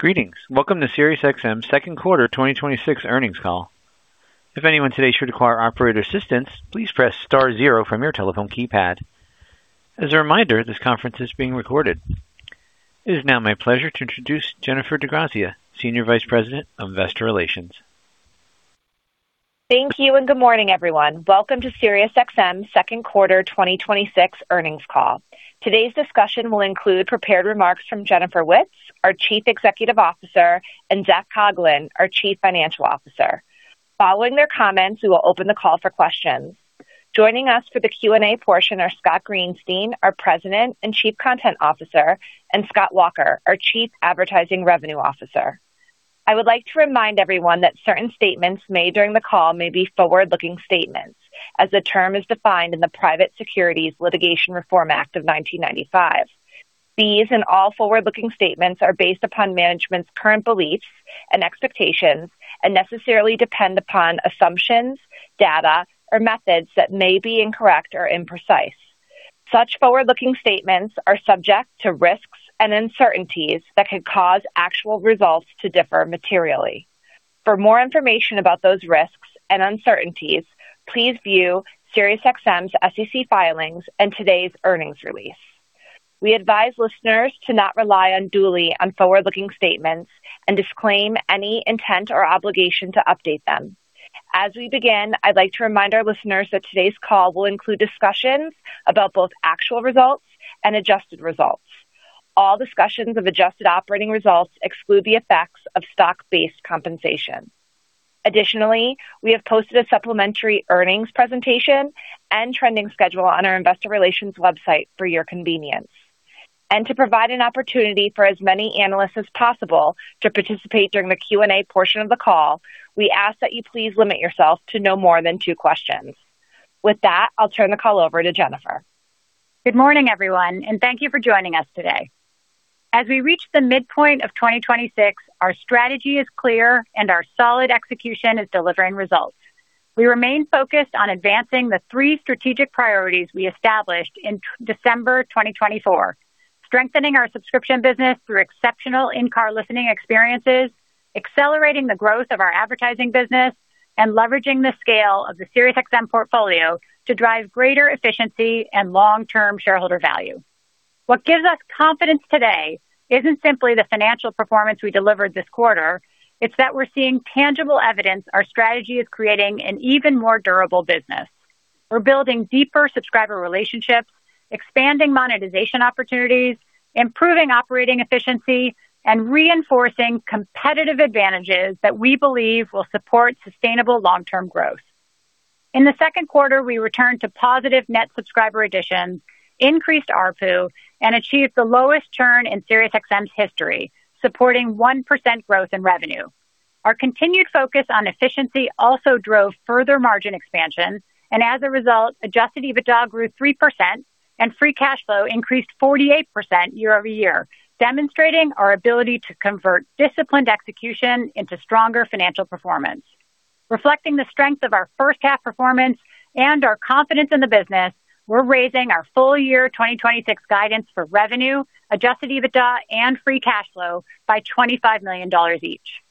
Greetings. Welcome to SiriusXM's second quarter 2026 earnings call. If anyone today should require operator assistance, please press star zero from your telephone keypad. As a reminder, this conference is being recorded. It is now my pleasure to introduce Jennifer DePizzo, Senior Vice President of Investor Relations. Thank you. Good morning, everyone. Welcome to SiriusXM's second quarter 2026 earnings call. Today's discussion will include prepared remarks from Jennifer Witz, our Chief Executive Officer, and Zac Coughlin, our Chief Financial Officer. Following their comments, we will open the call for questions. Joining us for the Q&A portion are Scott Greenstein, our President and Chief Content Officer, and Scott Walker, our Chief Advertising Revenue Officer. I would like to remind everyone that certain statements made during the call may be forward-looking statements, as the term is defined in the Private Securities Litigation Reform Act of 1995. These and all forward-looking statements are based upon management's current beliefs and expectations and necessarily depend upon assumptions, data, or methods that may be incorrect or imprecise. Such forward-looking statements are subject to risks and uncertainties that could cause actual results to differ materially. For more information about those risks and uncertainties, please view SiriusXM's SEC filings and today's earnings release. We advise listeners to not rely unduly on forward-looking statements and disclaim any intent or obligation to update them. As we begin, I'd like to remind our listeners that today's call will include discussions about both actual results and adjusted results. All discussions of adjusted operating results exclude the effects of stock-based compensation. Additionally, we have posted a supplementary earnings presentation and trending schedule on our investor relations website for your convenience. To provide an opportunity for as many analysts as possible to participate during the Q&A portion of the call, we ask that you please limit yourself to no more than two questions. With that, I'll turn the call over to Jennifer. Good morning, everyone. Thank you for joining us today. As we reach the midpoint of 2026, our strategy is clear and our solid execution is delivering results. We remain focused on advancing the three strategic priorities we established in December 2024. Strengthening our subscription business through exceptional in-car listening experiences, accelerating the growth of our advertising business, and leveraging the scale of the SiriusXM portfolio to drive greater efficiency and long-term shareholder value. What gives us confidence today isn't simply the financial performance we delivered this quarter, it's that we're seeing tangible evidence our strategy is creating an even more durable business. We're building deeper subscriber relationships, expanding monetization opportunities, improving operating efficiency, and reinforcing competitive advantages that we believe will support sustainable long-term growth. In the second quarter, we returned to positive net subscriber additions, increased ARPU, and achieved the lowest churn in SiriusXM's history, supporting 1% growth in revenue. Our continued focus on efficiency also drove further margin expansion, as a result, adjusted EBITDA grew 3% and free cash flow increased 48% year-over-year, demonstrating our ability to convert disciplined execution into stronger financial performance. Reflecting the strength of our H1 performance and our confidence in the business, we're raising our full year 2026 guidance for revenue, adjusted EBITDA, and free cash flow by $25 million each.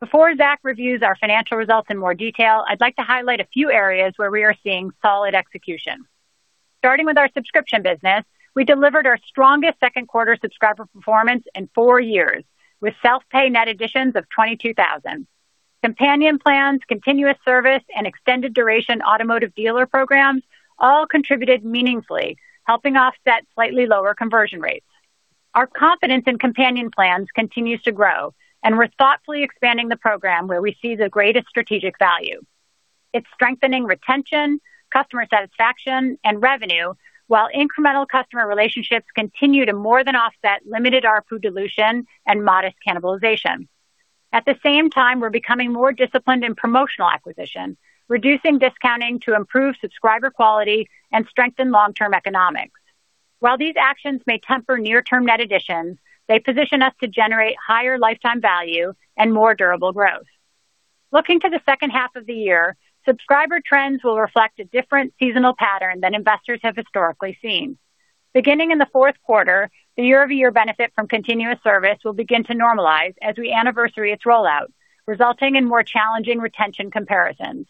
Before Zac reviews our financial results in more detail, I'd like to highlight a few areas where we are seeing solid execution. Starting with our subscription business, we delivered our strongest second quarter subscriber performance in four years with self-pay net additions of 22,000. Companion plans, continuous service, and extended duration automotive dealer programs all contributed meaningfully, helping offset slightly lower conversion rates. Our confidence in Companion plans continues to grow. We're thoughtfully expanding the program where we see the greatest strategic value. It's strengthening retention, customer satisfaction, and revenue while incremental customer relationships continue to more than offset limited ARPU dilution and modest cannibalization. At the same time, we're becoming more disciplined in promotional acquisition, reducing discounting to improve subscriber quality and strengthen long-term economics. While these actions may temper near-term net additions, they position us to generate higher lifetime value and more durable growth. Looking to the H2 of the year, subscriber trends will reflect a different seasonal pattern than investors have historically seen. Beginning in the fourth quarter, the year-over-year benefit from continuous service will begin to normalize as we anniversary its rollout, resulting in more challenging retention comparisons.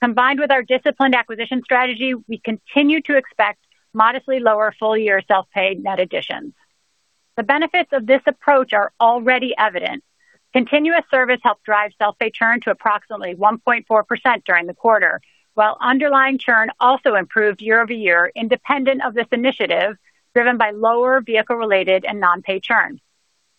Combined with our disciplined acquisition strategy, we continue to expect modestly lower full-year self-pay net additions. The benefits of this approach are already evident. Continuous service helped drive self-pay churn to approximately 1.4% during the quarter, while underlying churn also improved year-over-year independent of this initiative driven by lower vehicle-related and non-pay churn.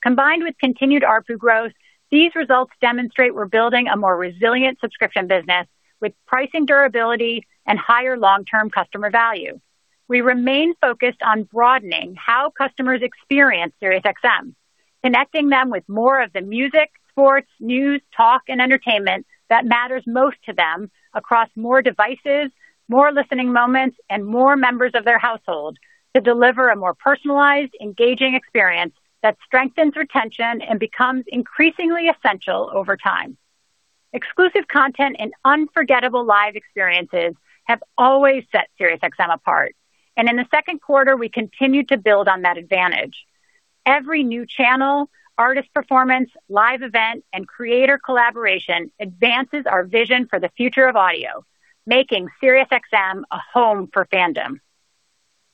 Combined with continued ARPU growth, these results demonstrate we're building a more resilient subscription business with pricing durability and higher long-term customer value. We remain focused on broadening how customers experience SiriusXM, connecting them with more of the music, sports, news, talk, and entertainment that matters most to them across more devices, more listening moments, and more members of their household to deliver a more personalized, engaging experience that strengthens retention and becomes increasingly essential over time. Exclusive content and unforgettable live experiences have always set SiriusXM apart. In the second quarter, we continued to build on that advantage. Every new channel, artist performance, live event, and creator collaboration advances our vision for the future of audio, making SiriusXM a home for fandom.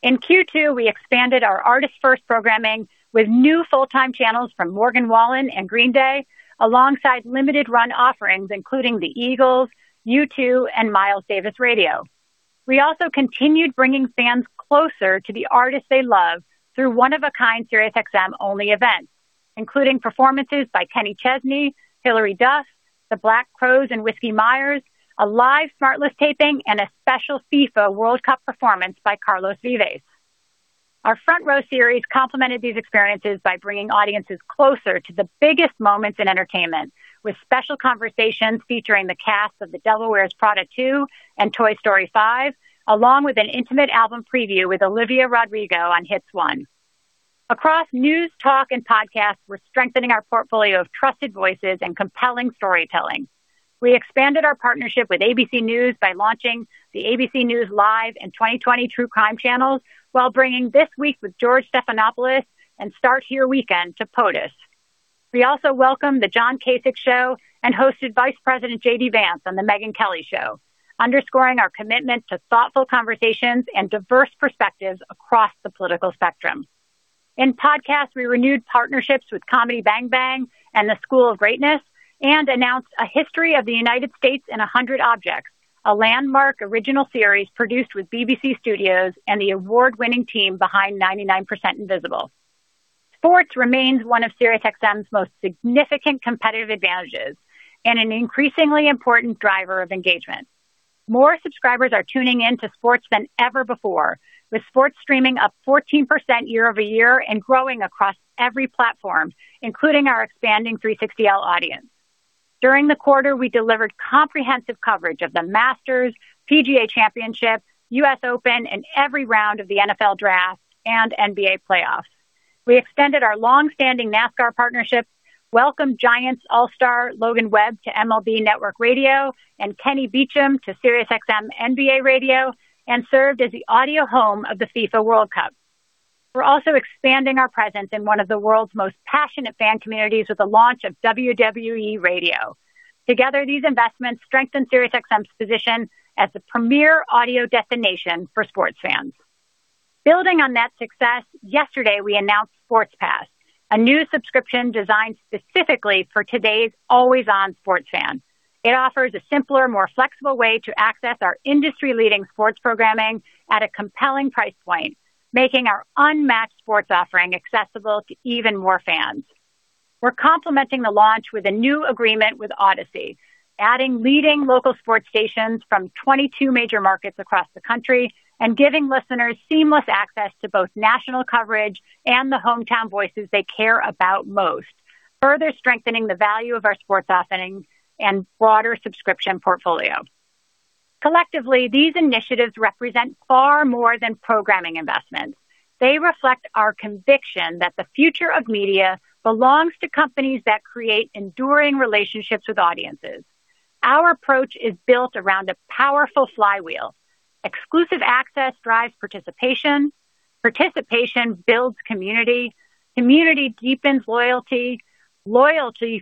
In Q2, we expanded our Artist First programming with new full-time channels from Morgan Wallen and Green Day, alongside limited-run offerings including the Eagles, U2, and Miles Davis Radio. We also continued bringing fans closer to the artists they love through one-of-a-kind SiriusXM-only events, including performances by Kenny Chesney, Hilary Duff, The Black Crowes, and Whiskey Myers, a live "SmartLess" taping, and a special FIFA World Cup performance by Carlos Vives. Our Front Row series complemented these experiences by bringing audiences closer to the biggest moments in entertainment, with special conversations featuring the casts of "The Devil Wears Prada 2" and "Toy Story 5," along with an intimate album preview with Olivia Rodrigo on Hits 1. Across news, talk, and podcasts, we're strengthening our portfolio of trusted voices and compelling storytelling. We expanded our partnership with ABC News by launching the ABC News Live and 20/20 True Crime channels while bringing "This Week with George Stephanopoulos" and "Start Here Weekend" to P.O.T.U.S. We also welcomed "The John Kasich Show" and hosted Vice President JD Vance on "The Megyn Kelly Show," underscoring our commitment to thoughtful conversations and diverse perspectives across the political spectrum. In podcasts, we renewed partnerships with Comedy Bang! Bang! and The School of Greatness and announced "A History of the United States in 100 Objects," a landmark original series produced with BBC Studios and the award-winning team behind "99% Invisible." Sports remains one of SiriusXM's most significant competitive advantages and an increasingly important driver of engagement. More subscribers are tuning in to sports than ever before, with sports streaming up 14% year-over-year and growing across every platform, including our expanding 360L audience. During the quarter, we delivered comprehensive coverage of the Masters, PGA Championship, U.S. Open, and every round of the NFL Draft and NBA playoffs. We extended our longstanding NASCAR partnership, welcomed Giants all-star Logan Webb to MLB Network Radio and Kenny Beecham to SiriusXM NBA Radio, and served as the audio home of the FIFA World Cup. We're also expanding our presence in one of the world's most passionate fan communities with the launch of WWE Radio. Together, these investments strengthen SiriusXM's position as the premier audio destination for sports fans. Building on that success, yesterday, we announced Sports Pass, a new subscription designed specifically for today's always-on sports fan. It offers a simpler, more flexible way to access our industry-leading sports programming at a compelling price point, making our unmatched sports offering accessible to even more fans. We're complementing the launch with a new agreement with Audacy, adding leading local sports stations from 22 major markets across the country and giving listeners seamless access to both national coverage and the hometown voices they care about most, further strengthening the value of our sports offerings and broader subscription portfolio. Collectively, these initiatives represent far more than programming investments. They reflect our conviction that the future of media belongs to companies that create enduring relationships with audiences. Our approach is built around a powerful flywheel. Exclusive access drives participation builds community deepens loyalty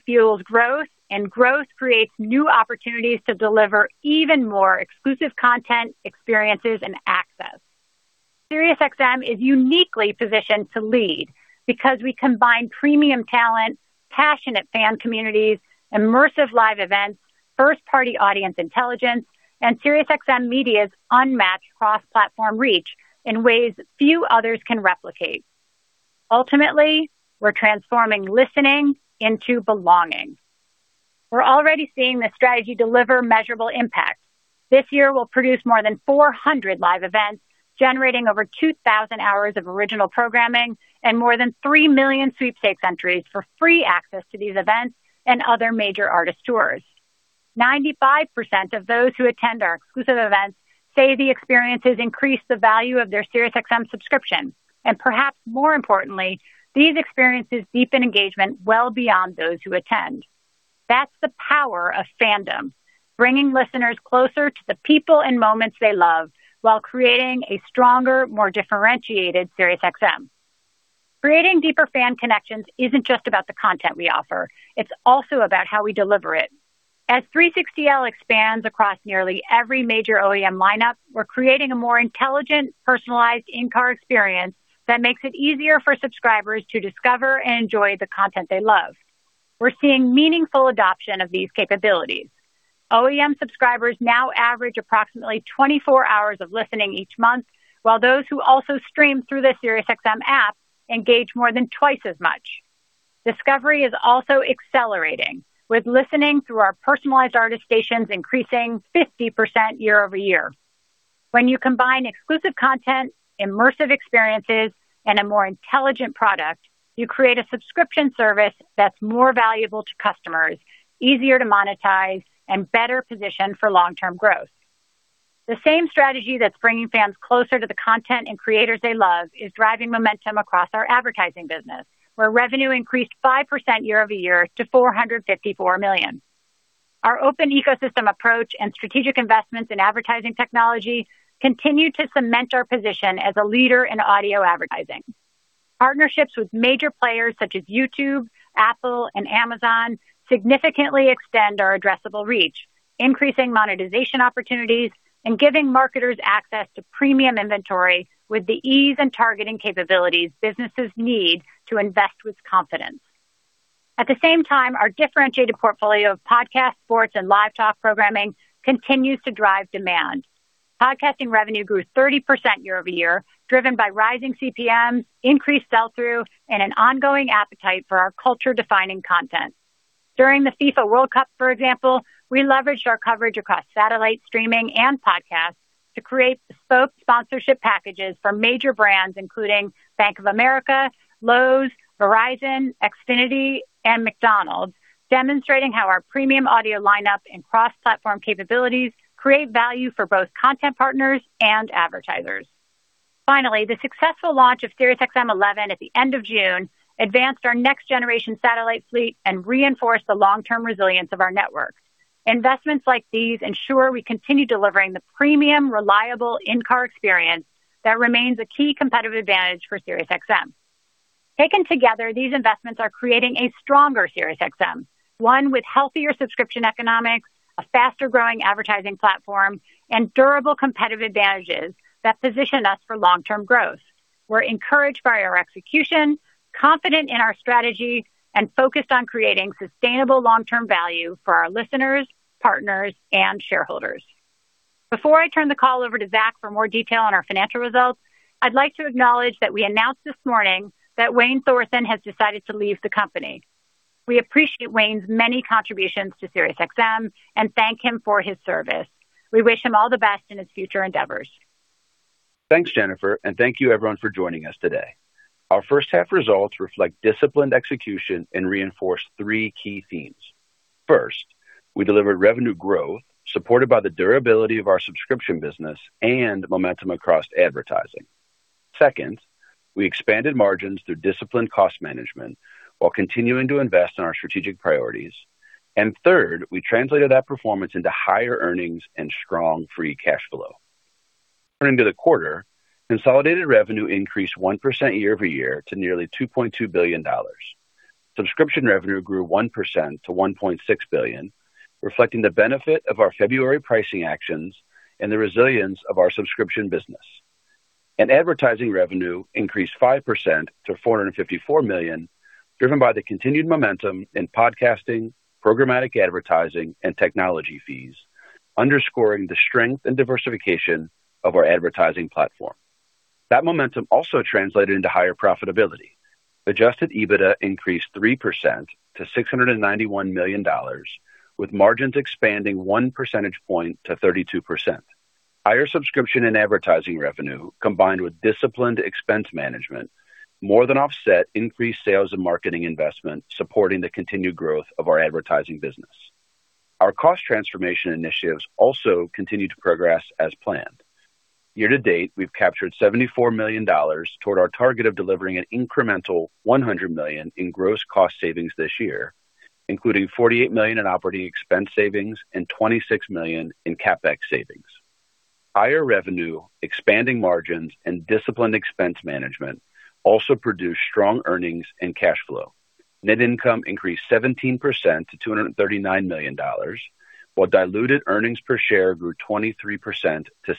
fuels growth, and growth creates new opportunities to deliver even more exclusive content, experiences, and access. SiriusXM is uniquely positioned to lead because we combine premium talent, passionate fan communities, immersive live events, first-party audience intelligence, and SiriusXM Media's unmatched cross-platform reach in ways few others can replicate. Ultimately, we're transforming listening into belonging. We're already seeing this strategy deliver measurable impact. This year, we'll produce more than 400 live events, generating over 2,000 hours of original programming and more than 3 million sweepstakes entries for free access to these events and other major artist tours. 95% of those who attend our exclusive events say the experiences increase the value of their SiriusXM subscription. Perhaps more importantly, these experiences deepen engagement well beyond those who attend. That's the power of fandom, bringing listeners closer to the people and moments they love while creating a stronger, more differentiated SiriusXM. Creating deeper fan connections isn't just about the content we offer. It's also about how we deliver it. As 360L expands across nearly every major OEM lineup, we're creating a more intelligent, personalized in-car experience that makes it easier for subscribers to discover and enjoy the content they love. We're seeing meaningful adoption of these capabilities. OEM subscribers now average approximately 24 hours of listening each month, while those who also stream through the SiriusXM app engage more than twice as much. Discovery is also accelerating, with listening through our personalized artist stations increasing 50% year-over-year. When you combine exclusive content, immersive experiences, and a more intelligent product, you create a subscription service that's more valuable to customers, easier to monetize, and better positioned for long-term growth. The same strategy that's bringing fans closer to the content and creators they love is driving momentum across our advertising business, where revenue increased 5% year-over-year to $454 million. Our open ecosystem approach and strategic investments in advertising technology continue to cement our position as a leader in audio advertising. Partnerships with major players such as YouTube, Apple, and Amazon significantly extend our addressable reach, increasing monetization opportunities and giving marketers access to premium inventory with the ease and targeting capabilities businesses need to invest with confidence. At the same time, our differentiated portfolio of podcast, sports, and live talk programming continues to drive demand. Podcasting revenue grew 30% year-over-year, driven by rising CPMs, increased sell-through, and an ongoing appetite for our culture-defining content. During the FIFA World Cup, for example, we leveraged our coverage across satellite, streaming, and podcasts to create bespoke sponsorship packages for major brands, including Bank of America, Lowe's, Verizon, Xfinity, and McDonald's, demonstrating how our premium audio lineup and cross-platform capabilities create value for both content partners and advertisers. Finally, the successful launch of SiriusXM-11 at the end of June advanced our next-generation satellite fleet and reinforced the long-term resilience of our network. Investments like these ensure we continue delivering the premium, reliable in-car experience that remains a key competitive advantage for SiriusXM. Taken together, these investments are creating a stronger SiriusXM, one with healthier subscription economics, a faster-growing advertising platform, and durable competitive advantages that position us for long-term growth. We're encouraged by our execution, confident in our strategy, and focused on creating sustainable long-term value for our listeners, partners, and shareholders. Before I turn the call over to Zac for more detail on our financial results, I'd like to acknowledge that we announced this morning that Wayne Thorsen has decided to leave the company. We appreciate Wayne's many contributions to SiriusXM and thank him for his service. We wish him all the best in his future endeavors. Thanks, Jennifer, thank you everyone for joining us today. Our H1 results reflect disciplined execution and reinforce three key themes. First, we delivered revenue growth supported by the durability of our subscription business and momentum across advertising. Second, we expanded margins through disciplined cost management while continuing to invest in our strategic priorities. Third, we translated that performance into higher earnings and strong free cash flow. Turning to the quarter, consolidated revenue increased 1% year-over-year to nearly $2.2 billion. Subscription revenue grew 1% to $1.6 billion, reflecting the benefit of our February pricing actions and the resilience of our subscription business. Advertising revenue increased 5% to $454 million, driven by the continued momentum in podcasting, programmatic advertising, and technology fees, underscoring the strength and diversification of our advertising platform. That momentum also translated into higher profitability. Adjusted EBITDA increased 3% to $691 million, with margins expanding 1 percentage point to 32%. Higher subscription and advertising revenue, combined with disciplined expense management, more than offset increased sales and marketing investment supporting the continued growth of our advertising business. Our cost transformation initiatives also continue to progress as planned. Year-to-date, we've captured $74 million toward our target of delivering an incremental $100 million in gross cost savings this year, including $48 million in operating expense savings and $26 million in CapEx savings. Higher revenue, expanding margins, and disciplined expense management also produced strong earnings and cash flow. Net income increased 17% to $239 million, while diluted earnings per share grew 23% to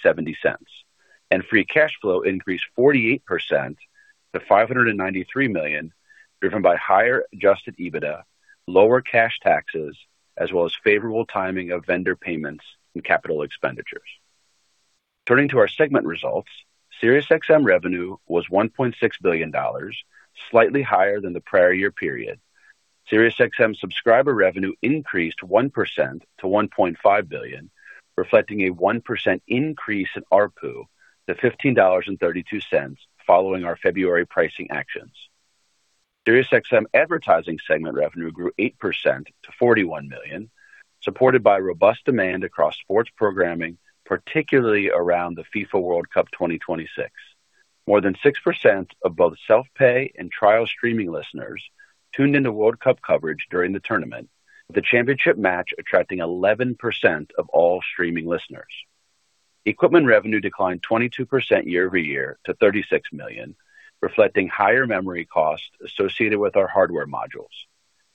$0.70, free cash flow increased 48% to $593 million, driven by higher adjusted EBITDA, lower cash taxes, as well as favorable timing of vendor payments and capital expenditures. Turning to our segment results, SiriusXM revenue was $1.6 billion, slightly higher than the prior year period. SiriusXM subscriber revenue increased 1% to $1.5 billion, reflecting a 1% increase in ARPU to $15.32 following our February pricing actions. SiriusXM advertising segment revenue grew 8% to $41 million, supported by robust demand across sports programming, particularly around the FIFA World Cup 2026. More than 6% of both self-pay and trial streaming listeners tuned into World Cup coverage during the tournament, with the championship match attracting 11% of all streaming listeners. Equipment revenue declined 22% year-over-year to $36 million, reflecting higher memory costs associated with our hardware modules.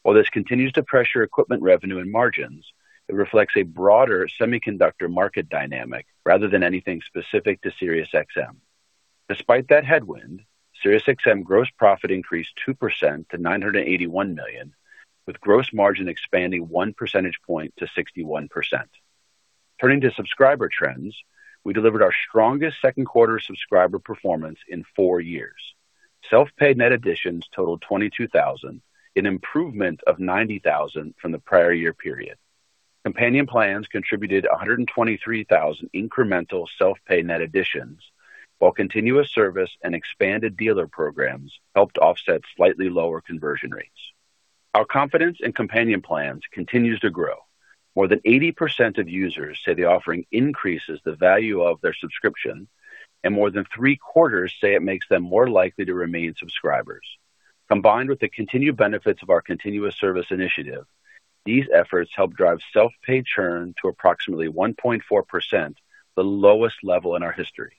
While this continues to pressure equipment revenue and margins, it reflects a broader semiconductor market dynamic rather than anything specific to SiriusXM. Despite that headwind, SiriusXM gross profit increased 2% to $981 million, with gross margin expanding 1 percentage point to 61%. Turning to subscriber trends, we delivered our strongest second quarter subscriber performance in four years. Self-pay net additions totaled 22,000, an improvement of 90,000 from the prior year period. Companion plans contributed 123,000 incremental self-pay net additions, while continuous service and expanded dealer programs helped offset slightly lower conversion rates. Our confidence in companion plans continues to grow. More than 80% of users say the offering increases the value of their subscription, and more than three-quarters say it makes them more likely to remain subscribers. Combined with the continued benefits of our continuous service initiative, these efforts help drive self-pay churn to approximately 1.4%, the lowest level in our history.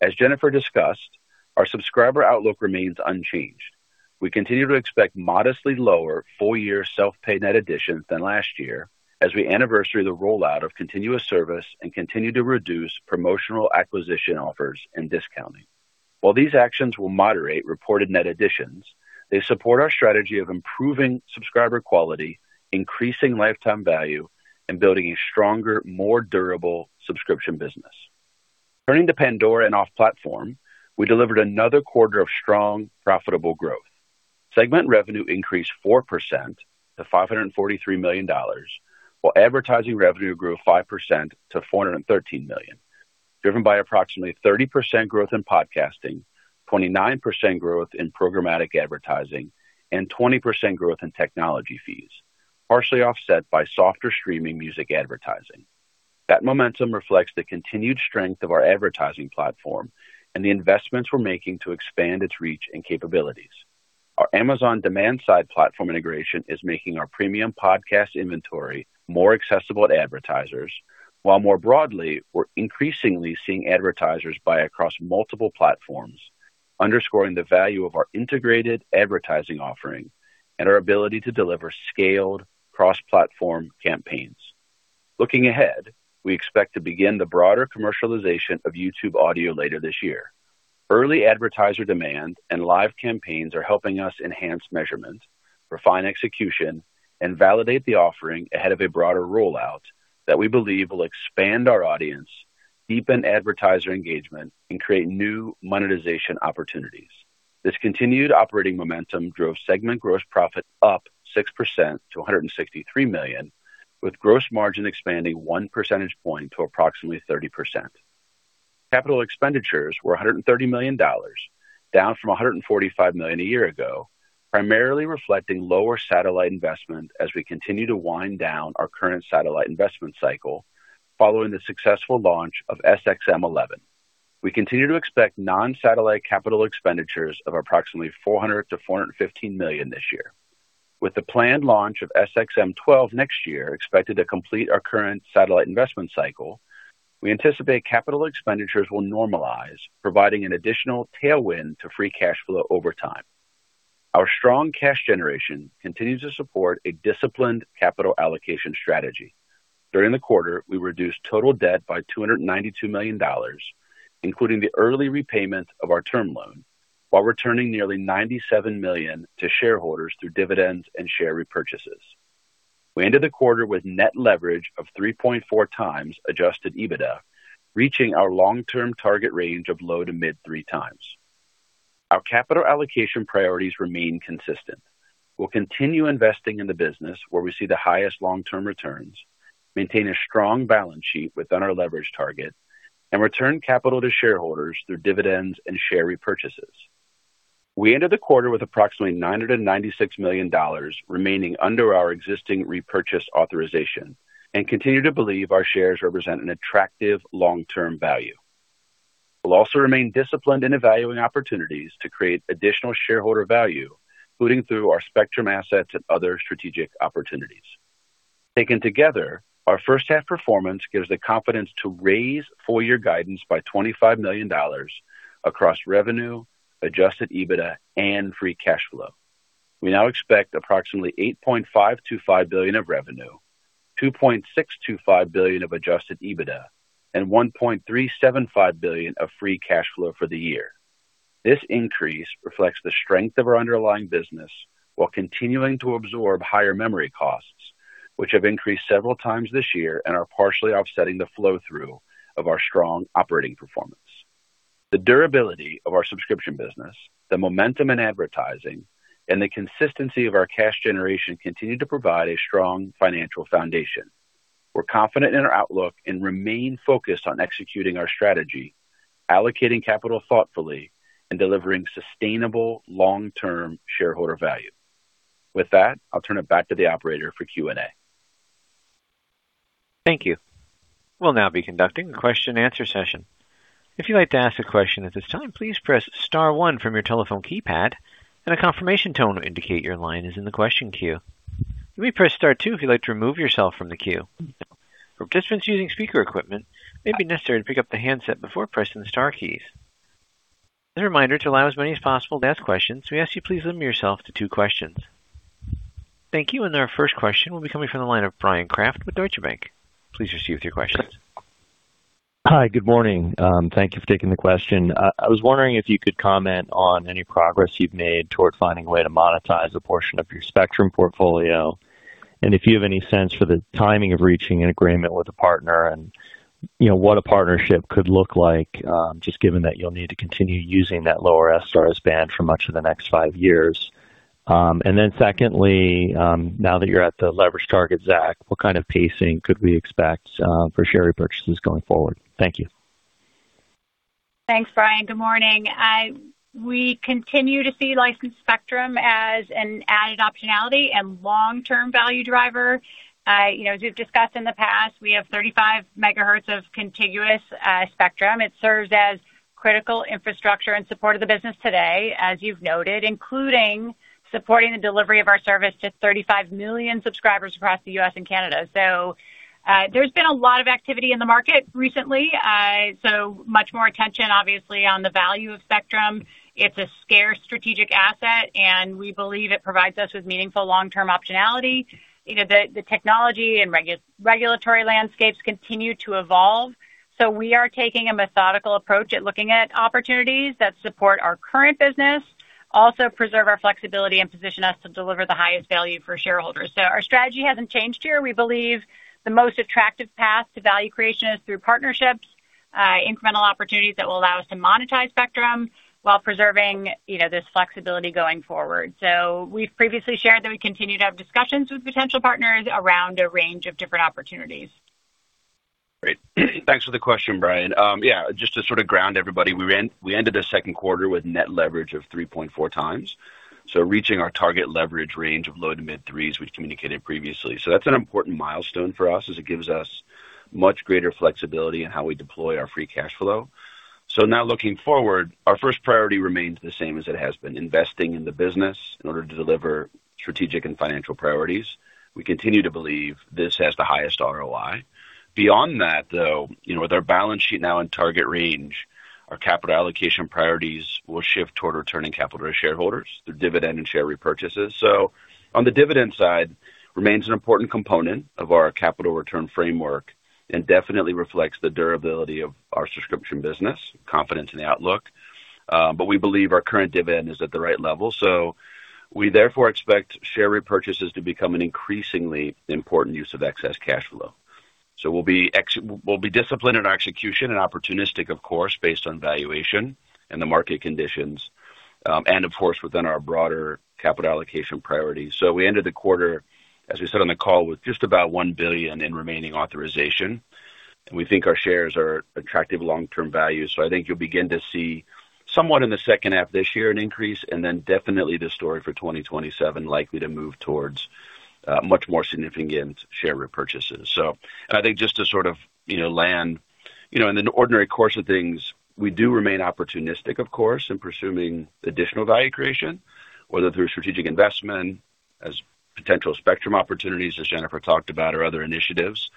As Jennifer discussed, our subscriber outlook remains unchanged. We continue to expect modestly lower full-year self-pay net additions than last year as we anniversary the rollout of continuous service and continue to reduce promotional acquisition offers and discounting. While these actions will moderate reported net additions, they support our strategy of improving subscriber quality, increasing lifetime value, and building a stronger, more durable subscription business. Turning to Pandora and off-platform, we delivered another quarter of strong, profitable growth. Segment revenue increased 4%, to $543 million, while advertising revenue grew 5%, to $413 million, driven by approximately 30% growth in podcasting, 29% growth in programmatic advertising, and 20% growth in technology fees, partially offset by softer streaming music advertising. That momentum reflects the continued strength of our advertising platform and the investments we're making to expand its reach and capabilities. Our Amazon Demand-Side Platform integration is making our premium podcast inventory more accessible to advertisers, while more broadly, we're increasingly seeing advertisers buy across multiple platforms, underscoring the value of our integrated advertising offering and our ability to deliver scaled cross-platform campaigns. Looking ahead, we expect to begin the broader commercialization of YouTube Audio later this year. Early advertiser demand and live campaigns are helping us enhance measurement, refine execution, and validate the offering ahead of a broader rollout that we believe will expand our audience, deepen advertiser engagement, and create new monetization opportunities. This continued operating momentum drove segment gross profit up 6%, to $163 million, with gross margin expanding 1 percentage point to approximately 30%. Capital expenditures were $130 million, down from $145 million a year ago, primarily reflecting lower satellite investment as we continue to wind down our current satellite investment cycle following the successful launch of SXM-11. We continue to expect non-satellite Capital expenditures of approximately $400 million-$415 million this year. With the planned launch of SXM-12 next year expected to complete our current satellite investment cycle, we anticipate Capital expenditures will normalize, providing an additional tailwind to free cash flow over time. Our strong cash generation continues to support a disciplined capital allocation strategy. During the quarter, we reduced total debt by $292 million, including the early repayment of our term loan, while returning nearly $97 million to shareholders through dividends and share repurchases. We ended the quarter with net leverage of 3.4x adjusted EBITDA, reaching our long-term target range of low to mid three times. Our capital allocation priorities remain consistent. We'll continue investing in the business where we see the highest long-term returns, maintain a strong balance sheet within our leverage target, and return capital to shareholders through dividends and share repurchases. We ended the quarter with approximately $996 million remaining under our existing repurchase authorization and continue to believe our shares represent an attractive long-term value. We'll also remain disciplined in evaluating opportunities to create additional shareholder value, including through our spectrum assets and other strategic opportunities. Taken together, our H1 performance gives the confidence to raise full-year guidance by $25 million across revenue, adjusted EBITDA, and free cash flow. We now expect approximately $8.525 billion of revenue, $2.625 billion of adjusted EBITDA, and $1.375 billion of free cash flow for the year. This increase reflects the strength of our underlying business while continuing to absorb higher memory costs, which have increased several times this year and are partially offsetting the flow-through of our strong operating performance. The durability of our subscription business, the momentum in advertising, and the consistency of our cash generation continue to provide a strong financial foundation. We're confident in our outlook and remain focused on executing our strategy, allocating capital thoughtfully, and delivering sustainable long-term shareholder value. With that, I'll turn it back to the operator for Q&A. Thank you. We'll now be conducting a question and answer session. If you'd like to ask a question at this time, please press star one from your telephone keypad and a confirmation tone will indicate your line is in the question queue. You may press star two if you'd like to remove yourself from the queue. For participants using speaker equipment, it may be necessary to pick up the handset before pressing the star keys. As a reminder, to allow as many as possible to ask questions, we ask you please limit yourself to two questions. Thank you. Our first question will be coming from the line of Bryan Kraft with Deutsche Bank. Please proceed with your questions. Hi, good morning. Thank you for taking the question. I was wondering if you could comment on any progress you've made toward finding a way to monetize a portion of your spectrum portfolio, and if you have any sense for the timing of reaching an agreement with a partner and what a partnership could look like, just given that you'll need to continue using that lower Sirius band for much of the next five years. Then secondly, now that you're at the leverage target, Zac, what kind of pacing could we expect for share repurchases going forward? Thank you. Thanks, Bryan. Good morning. We continue to see licensed spectrum as an added optionality and long-term value driver. As we've discussed in the past, we have 35 MHz of contiguous spectrum. It serves as critical infrastructure in support of the business today, as you've noted, including supporting the delivery of our service to 35 million subscribers across the U.S. and Canada. There's been a lot of activity in the market recently. Much more attention, obviously, on the value of spectrum. It's a scarce strategic asset, and we believe it provides us with meaningful long-term optionality. The technology and regulatory landscapes continue to evolve. We are taking a methodical approach at looking at opportunities that support our current business, also preserve our flexibility and position us to deliver the highest value for shareholders. Our strategy hasn't changed here. We believe the most attractive path to value creation is through partnerships, incremental opportunities that will allow us to monetize spectrum while preserving this flexibility going forward. We've previously shared that we continue to have discussions with potential partners around a range of different opportunities. Great. Thanks for the question, Bryan. Just to sort of ground everybody, we ended the second quarter with net leverage of 3.4x. Reaching our target leverage range of low to mid-threes, we've communicated previously. That's an important milestone for us, as it gives us much greater flexibility in how we deploy our free cash flow. Now looking forward, our first priority remains the same as it has been, investing in the business in order to deliver strategic and financial priorities. We continue to believe this has the highest ROI. Beyond that, though, with our balance sheet now in target range, our capital allocation priorities will shift toward returning capital to shareholders through dividend and share repurchases. On the dividend side, remains an important component of our capital return framework and definitely reflects the durability of our subscription business, confidence in the outlook. We believe our current dividend is at the right level. We therefore expect share repurchases to become an increasingly important use of excess cash flow. We'll be disciplined in our execution and opportunistic, of course, based on valuation and the market conditions, and of course, within our broader capital allocation priorities. We ended the quarter, as we said on the call, with just about $1 billion in remaining authorization. We think our shares are attractive long-term value. I think you'll begin to see somewhat in the H2 of this year an increase, and then definitely the story for 2027 likely to move towards much more significant share repurchases. I think just to sort of land. In an ordinary course of things, we do remain opportunistic, of course, in pursuing additional value creation, whether through strategic investment as potential spectrum opportunities, as Jennifer talked about, or other initiatives.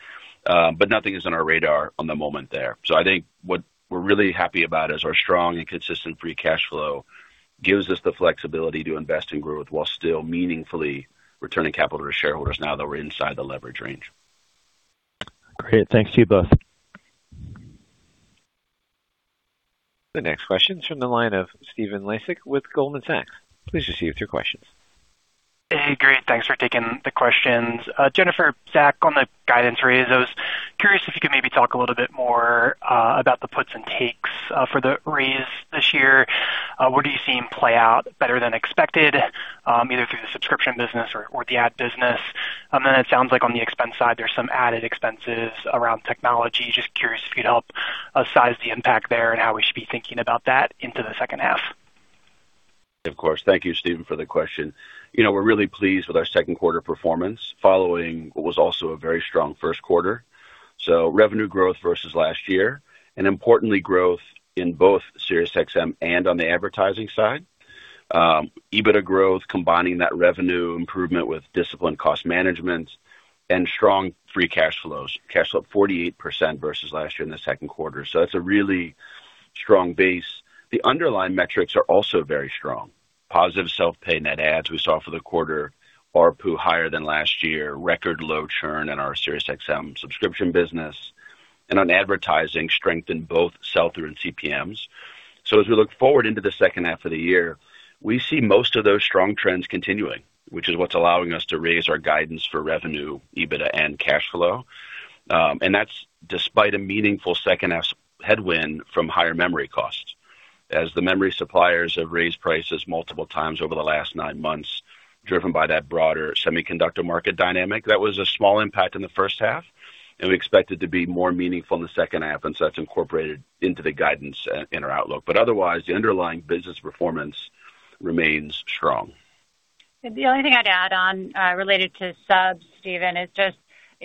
Nothing is on our radar on the moment there. I think what we're really happy about is our strong and consistent free cash flow gives us the flexibility to invest in growth while still meaningfully returning capital to shareholders now that we're inside the leverage range. Great. Thanks to you both. The next question is from the line of Stephen Laszczyk with Goldman Sachs. Please proceed with your questions. Hey, great. Thanks for taking the questions. Jennifer, Zac, on the guidance raise, I was curious if you could maybe talk a little bit more about the puts and takes for the raise this year. What are you seeing play out better than expected, either through the subscription business or the ad business? It sounds like on the expense side, there's some added expenses around technology. Just curious if you'd help us size the impact there and how we should be thinking about that into the H2. Of course. Thank you, Stephen, for the question. We're really pleased with our second quarter performance following what was also a very strong first quarter. Revenue growth versus last year and importantly, growth in both SiriusXM and on the advertising side. EBITDA growth combining that revenue improvement with disciplined cost management and strong free cash flows. Cash flow up 48% versus last year in the second quarter. That's a really strong base. The underlying metrics are also very strong. Positive self-pay net adds we saw for the quarter, ARPU higher than last year, record low churn in our SiriusXM subscription business. On advertising, strength in both sell-through and CPMs. As we look forward into the H2 of the year, we see most of those strong trends continuing, which is what's allowing us to raise our guidance for revenue, EBITDA, and cash flow. That's despite a meaningful second half headwind from higher memory costs. The memory suppliers have raised prices multiple times over the last nine months, driven by that broader semiconductor market dynamic. That was a small impact in the H1, and we expect it to be more meaningful in the H2, so that's incorporated into the guidance in our outlook. Otherwise, the underlying business performance remains strong. The only thing I'd add on related to subs, Stephen, is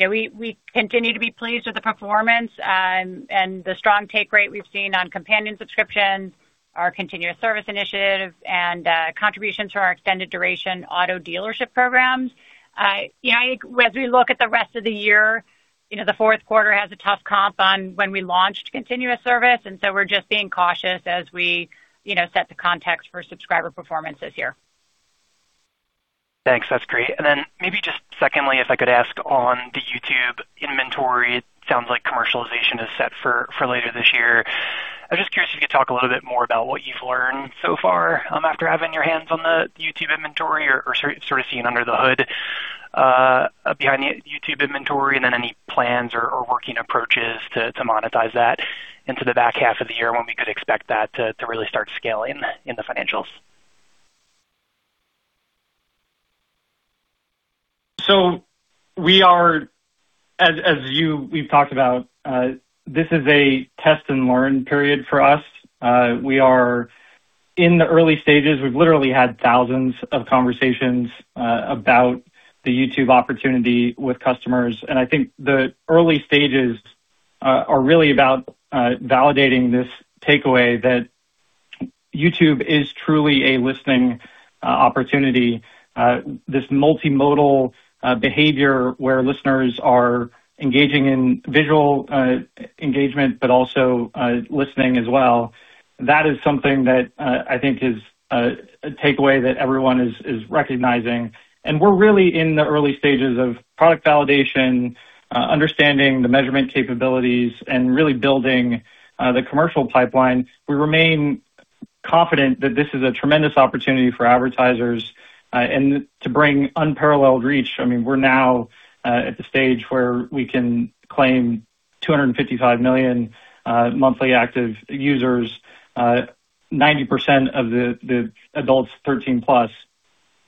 we continue to be pleased with the performance and the strong take rate we've seen on companion subscriptions, our continuous service initiatives, and contributions from our extended duration auto dealership programs. As we look at the rest of the year, the fourth quarter has a tough comp on when we launched continuous service, so we're just being cautious as we set the context for subscriber performances here. Thanks. That's great. Then maybe just secondly, if I could ask on the YouTube inventory, it sounds like commercialization is set for later this year. I'm just curious if you could talk a little bit more about what you've learned so far after having your hands on the YouTube inventory or seeing under the hood behind the YouTube inventory, then any plans or working approaches to monetize that into the back half of the year when we could expect that to really start scaling in the financials. We are, as we've talked about, this is a test and learn period for us. We are in the early stages. We've literally had thousands of conversations about the YouTube opportunity with customers, I think the early stages are really about validating this takeaway that YouTube is truly a listening opportunity. This multimodal behavior where listeners are engaging in visual engagement but also listening as well. That is something that I think is a takeaway that everyone is recognizing. We're really in the early stages of product validation, understanding the measurement capabilities, and really building the commercial pipeline. We remain confident that this is a tremendous opportunity for advertisers, and to bring unparalleled reach. I mean, we're now at the stage where we can claim 255 million monthly active users, 90% of the adults 13+.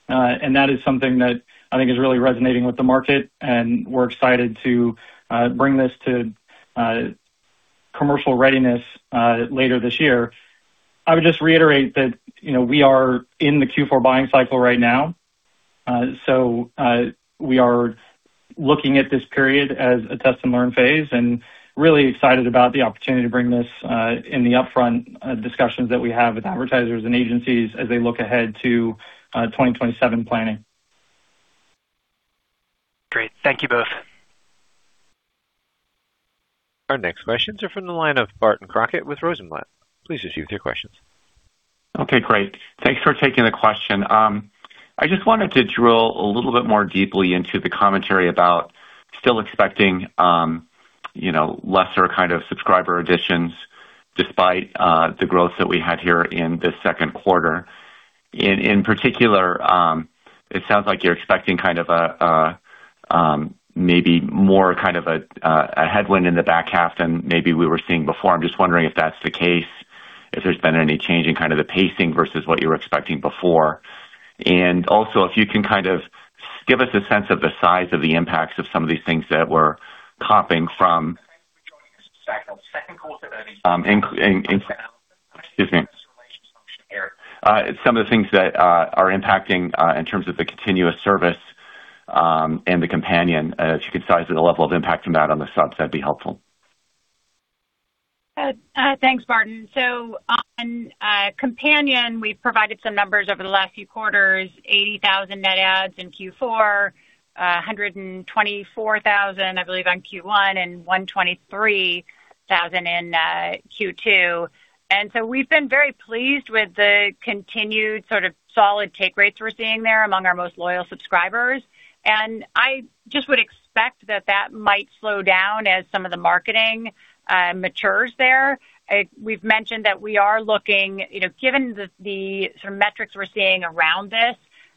That is something that I think is really resonating with the market, and we're excited to bring this to commercial readiness later this year. I would just reiterate that we are in the Q4 buying cycle right now. We are looking at this period as a test and learn phase and really excited about the opportunity to bring this in the upfront discussions that we have with advertisers and agencies as they look ahead to 2027 planning. Great. Thank you both. Our next questions are from the line of Barton Crockett with Rosenblatt. Please proceed with your questions. Okay, great. Thanks for taking the question. I just wanted to drill a little bit more deeply into the commentary about still expecting lesser kind of subscriber additions despite the growth that we had here in this second quarter. In particular, it sounds like you're expecting kind of maybe more kind of a headwind in the back half than maybe we were seeing before. I'm just wondering if that's the case, if there's been any change in kind of the pacing versus what you were expecting before. Also, if you can kind of give us a sense of the size of the impacts. Excuse me. Some of the things that are impacting in terms of the continuous service and the companion. If you could size the level of impact from that on the subs, that'd be helpful. Thanks, Barton. On Companion, we've provided some numbers over the last few quarters, 80,000 net adds in Q4, 124,000, I believe on Q1, and 123,000 in Q2. We've been very pleased with the continued sort of solid take rates we're seeing there among our most loyal subscribers. I just would expect that that might slow down as some of the marketing matures there. We've mentioned that we are looking, given the sort of metrics we're seeing around this,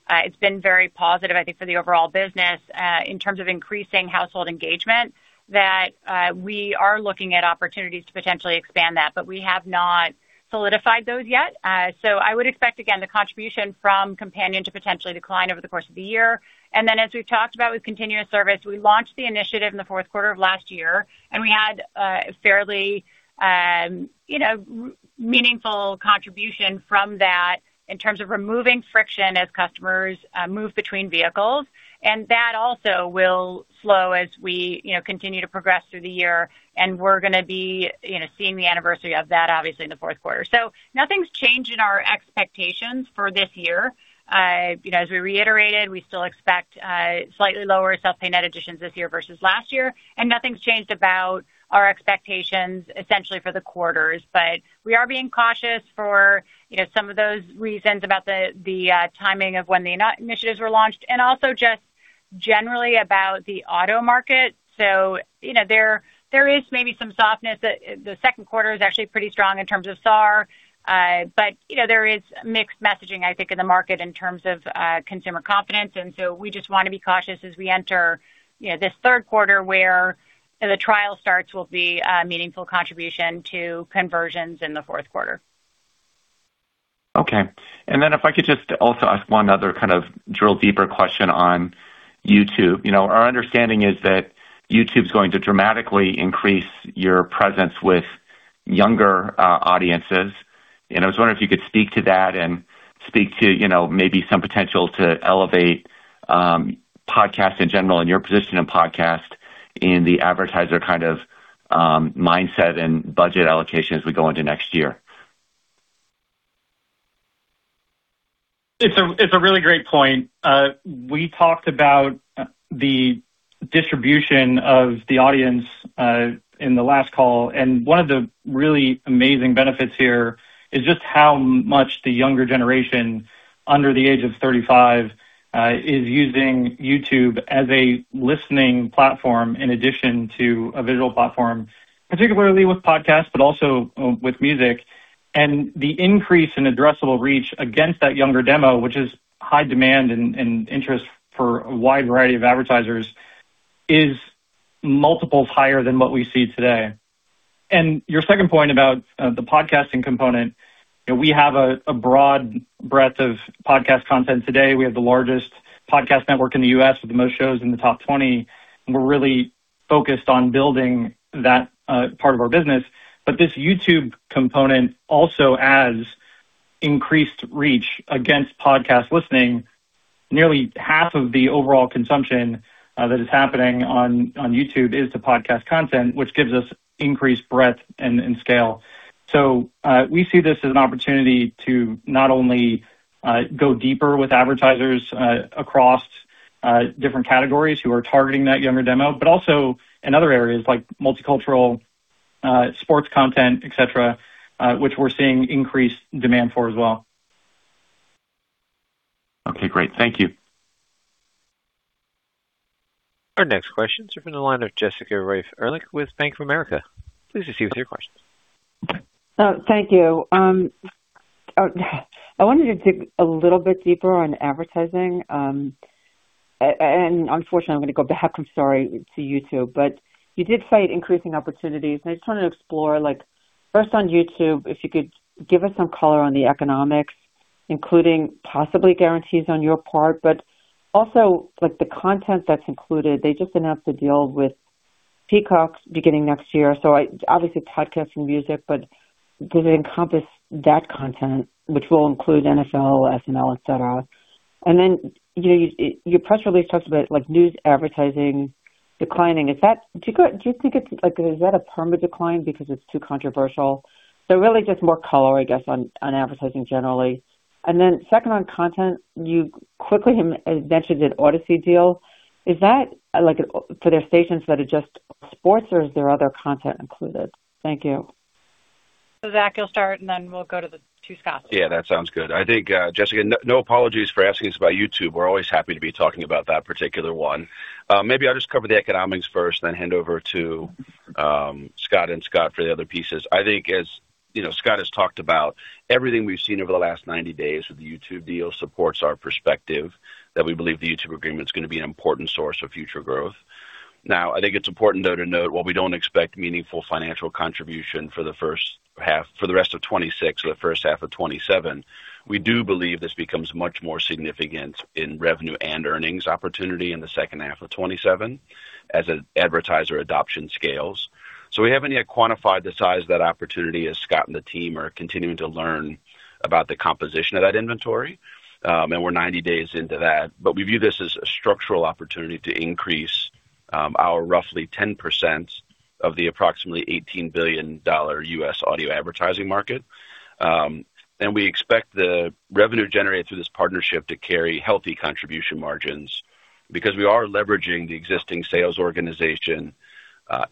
it's been very positive, I think, for the overall business in terms of increasing household engagement, that we are looking at opportunities to potentially expand that. We have not solidified those yet. I would expect, again, the contribution from Companion to potentially decline over the course of the year. As we've talked about with continuous service, we launched the initiative in the fourth quarter of last year, and we had a fairly meaningful contribution from that in terms of removing friction as customers move between vehicles. That also will slow as we continue to progress through the year. We're going to be seeing the anniversary of that, obviously, in the fourth quarter. Nothing's changed in our expectations for this year. As we reiterated, we still expect slightly lower self-pay net additions this year versus last year, and nothing's changed about our expectations essentially for the quarters. We are being cautious for some of those reasons about the timing of when the initiatives were launched and also just generally about the auto market. There is maybe some softness. The second quarter is actually pretty strong in terms of SAR. There is mixed messaging, I think, in the market in terms of consumer confidence, we just want to be cautious as we enter this third quarter where the trial starts will be a meaningful contribution to conversions in the fourth quarter. Okay. If I could just also ask one other kind of drill deeper question on YouTube. Our understanding is that YouTube's going to dramatically increase your presence with younger audiences. I was wondering if you could speak to that and speak to maybe some potential to elevate podcasts in general and your position in podcast in the advertiser kind of mindset and budget allocation as we go into next year. It's a really great point. We talked about the distribution of the audience in the last call, and one of the really amazing benefits here is just how much the younger generation under the age of 35 is using YouTube as a listening platform in addition to a visual platform, particularly with podcasts, but also with music. The increase in addressable reach against that younger demo, which is high demand and interest for a wide variety of advertisers, is multiples higher than what we see today. Your second point about the podcasting component, we have a broad breadth of podcast content today. We have the largest podcast network in the U.S. with the most shows in the top 20, and we're really focused on building that part of our business. This YouTube component also adds increased reach against podcast listening. Nearly half of the overall consumption that is happening on YouTube is to podcast content, which gives us increased breadth and scale. We see this as an opportunity to not only go deeper with advertisers across different categories who are targeting that younger demo, but also in other areas like multicultural, sports content, et cetera, which we're seeing increased demand for as well. Okay, great. Thank you. Our next question is from the line of Jessica Reif Ehrlich with Bank of America. Please proceed with your question. Thank you. I wanted to dig a little bit deeper on advertising. Unfortunately, I'm going to go back, I'm sorry, to YouTube, but you did cite increasing opportunities, and I just wanted to explore, first, on YouTube, if you could give us some color on the economics, including possibly guarantees on your part. Also, the content that's included, they just announced a deal with Peacock beginning next year, so obviously podcasts and music, but does it encompass that content, which will include NFL, SNL, et cetera.? Your press release talks about news advertising declining. Do you think that is a permanent decline because it's too controversial? Really just more color, I guess, on advertising generally. Second on content, you quickly mentioned an Audacy deal. Is that for their stations that are just sports or is there other content included? Thank you. Zac, you'll start, we'll go to Scott. That sounds good. I think, Jessica, no apologies for asking us about YouTube. We're always happy to be talking about that particular one. Maybe I'll just cover the economics first, hand over to Scott and Scott for the other pieces. I think as Scott has talked about, everything we've seen over the last 90 days with the YouTube deal supports our perspective that we believe the YouTube agreement's going to be an important source of future growth. I think it's important, though, to note while we don't expect meaningful financial contribution for the rest of 2026 or the H1 of 2027, we do believe this becomes much more significant in revenue and earnings opportunity in the H2 of 2027 as an advertiser adoption scales. We haven't yet quantified the size of that opportunity as Scott and the team are continuing to learn about the composition of that inventory. We're 90 days into that. We view this as a structural opportunity to increase our roughly 10% of the approximately $18 billion U.S. audio advertising market. We expect the revenue generated through this partnership to carry healthy contribution margins because we are leveraging the existing sales organization,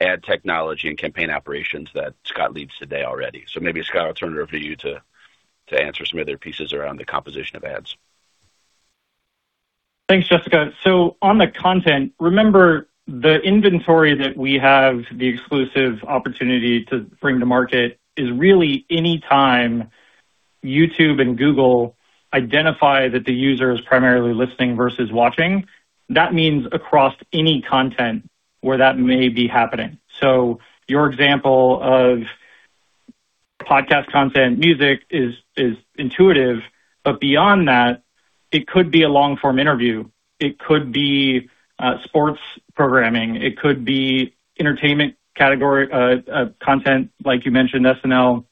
ad technology, and campaign operations that Scott leads today already. Maybe, Scott, I'll turn it over to you to answer some of the other pieces around the composition of ads. Thanks, Jessica. On the content, remember the inventory that we have, the exclusive opportunity to bring to market is really any time YouTube and Google identify that the user is primarily listening versus watching. That means across any content where that may be happening. Your example of podcast content, music is intuitive, but beyond that, it could be a long-form interview, it could be sports programming, it could be entertainment category content, like you mentioned, SNL,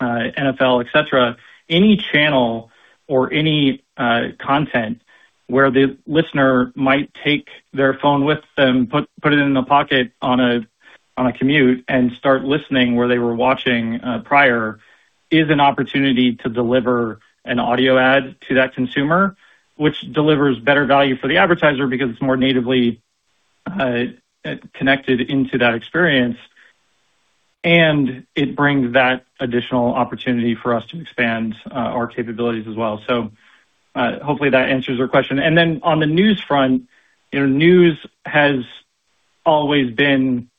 NFL, et cetera. Any channel or any content where the listener might take their phone with them, put it in the pocket on a commute, and start listening where they were watching prior, is an opportunity to deliver an audio ad to that consumer, which delivers better value for the advertiser because it's more natively connected into that experience. It brings that additional opportunity for us to expand our capabilities as well. Hopefully that answers your question. On the news front, news has always been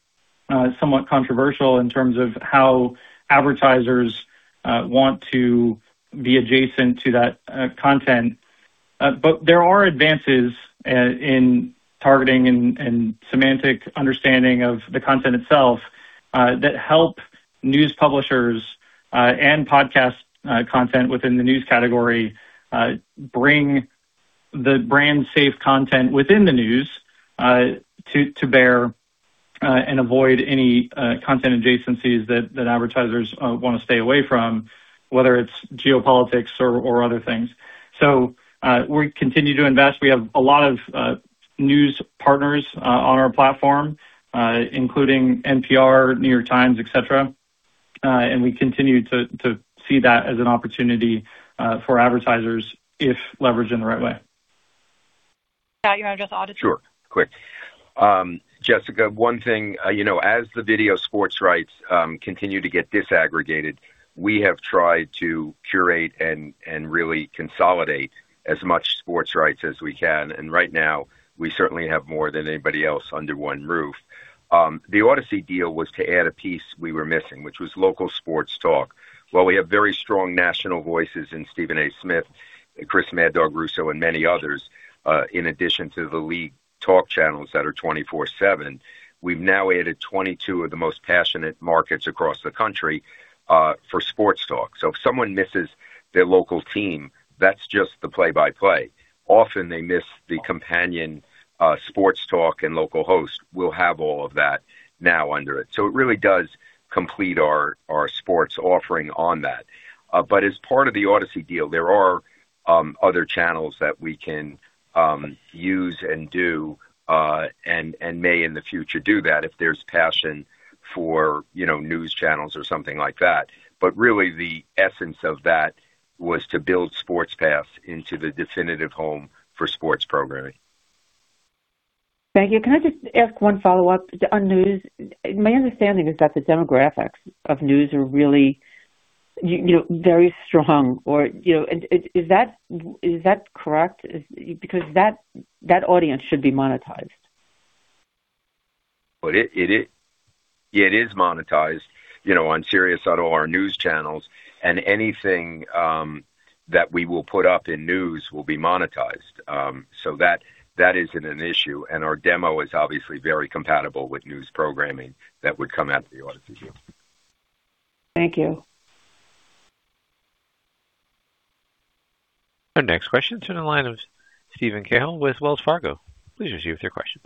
somewhat controversial in terms of how advertisers want to be adjacent to that content. There are advances in targeting and semantic understanding of the content itself, that help news publishers and podcast content within the news category, bring the brand safe content within the news to bear and avoid any content adjacencies that advertisers want to stay away from, whether it's geopolitics or other things. We continue to invest. We have a lot of news partners on our platform, including NPR, The New York Times, et cetera. We continue to see that as an opportunity for advertisers if leveraged in the right way. Scott, you want to address Audacy? Sure. Quick. Jessica, one thing, as the video sports rights continue to get disaggregated, we have tried to curate and really consolidate as much sports rights as we can. Right now, we certainly have more than anybody else under one roof. The Audacy deal was to add a piece we were missing, which was local sports talk. While we have very strong national voices in Stephen A. Smith, Chris "Mad Dog" Russo, and many others, in addition to the league talk channels that are 24/7, we've now added 22 of the most passionate markets across the country for sports talk. If someone misses their local team, that's just the play-by-play. Often they miss the companion sports talk and local host. We'll have all of that now under it. It really does complete our sports offering on that. There are other channels that we can use and do, and may in the future do that if there's passion for news channels or something like that. Really the essence of that was to build Sports Pass into the definitive home for sports programming. Thank you. Can I just ask one follow-up on news? My understanding is that the demographics of news are really very strong. Is that correct? Because that audience should be monetized. It is monetized on Sirius on all our news channels, and anything that we will put up in news will be monetized. That isn't an issue, and our demo is obviously very compatible with news programming that would come out of the Audacy deal. Thank you. Our next question is in the line of Steven Cahall with Wells Fargo. Please proceed with your questions.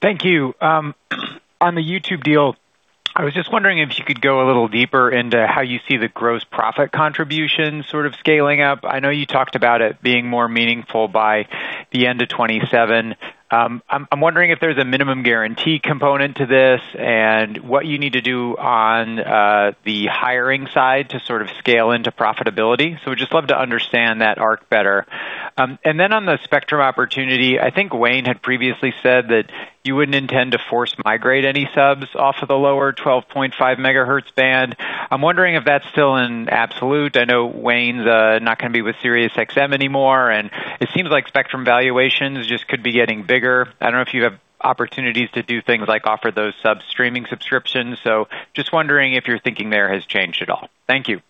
Thank you. On the YouTube deal, I was just wondering if you could go a little deeper into how you see the gross profit contribution sort of scaling up. I know you talked about it being more meaningful by the end of 2027. I'm wondering if there's a minimum guarantee component to this and what you need to do on the hiring side to sort of scale into profitability. I would just love to understand that arc better. On the spectrum opportunity, I think Wayne had previously said that you wouldn't intend to force migrate any subs off of the lower 12.5 MHz band. I'm wondering if that's still an absolute. I know Wayne's not going to be with SiriusXM anymore, and it seems like spectrum valuations just could be getting bigger. I don't know if you have opportunities to do things like offer those sub streaming subscriptions. Just wondering if your thinking there has changed at all. Thank you.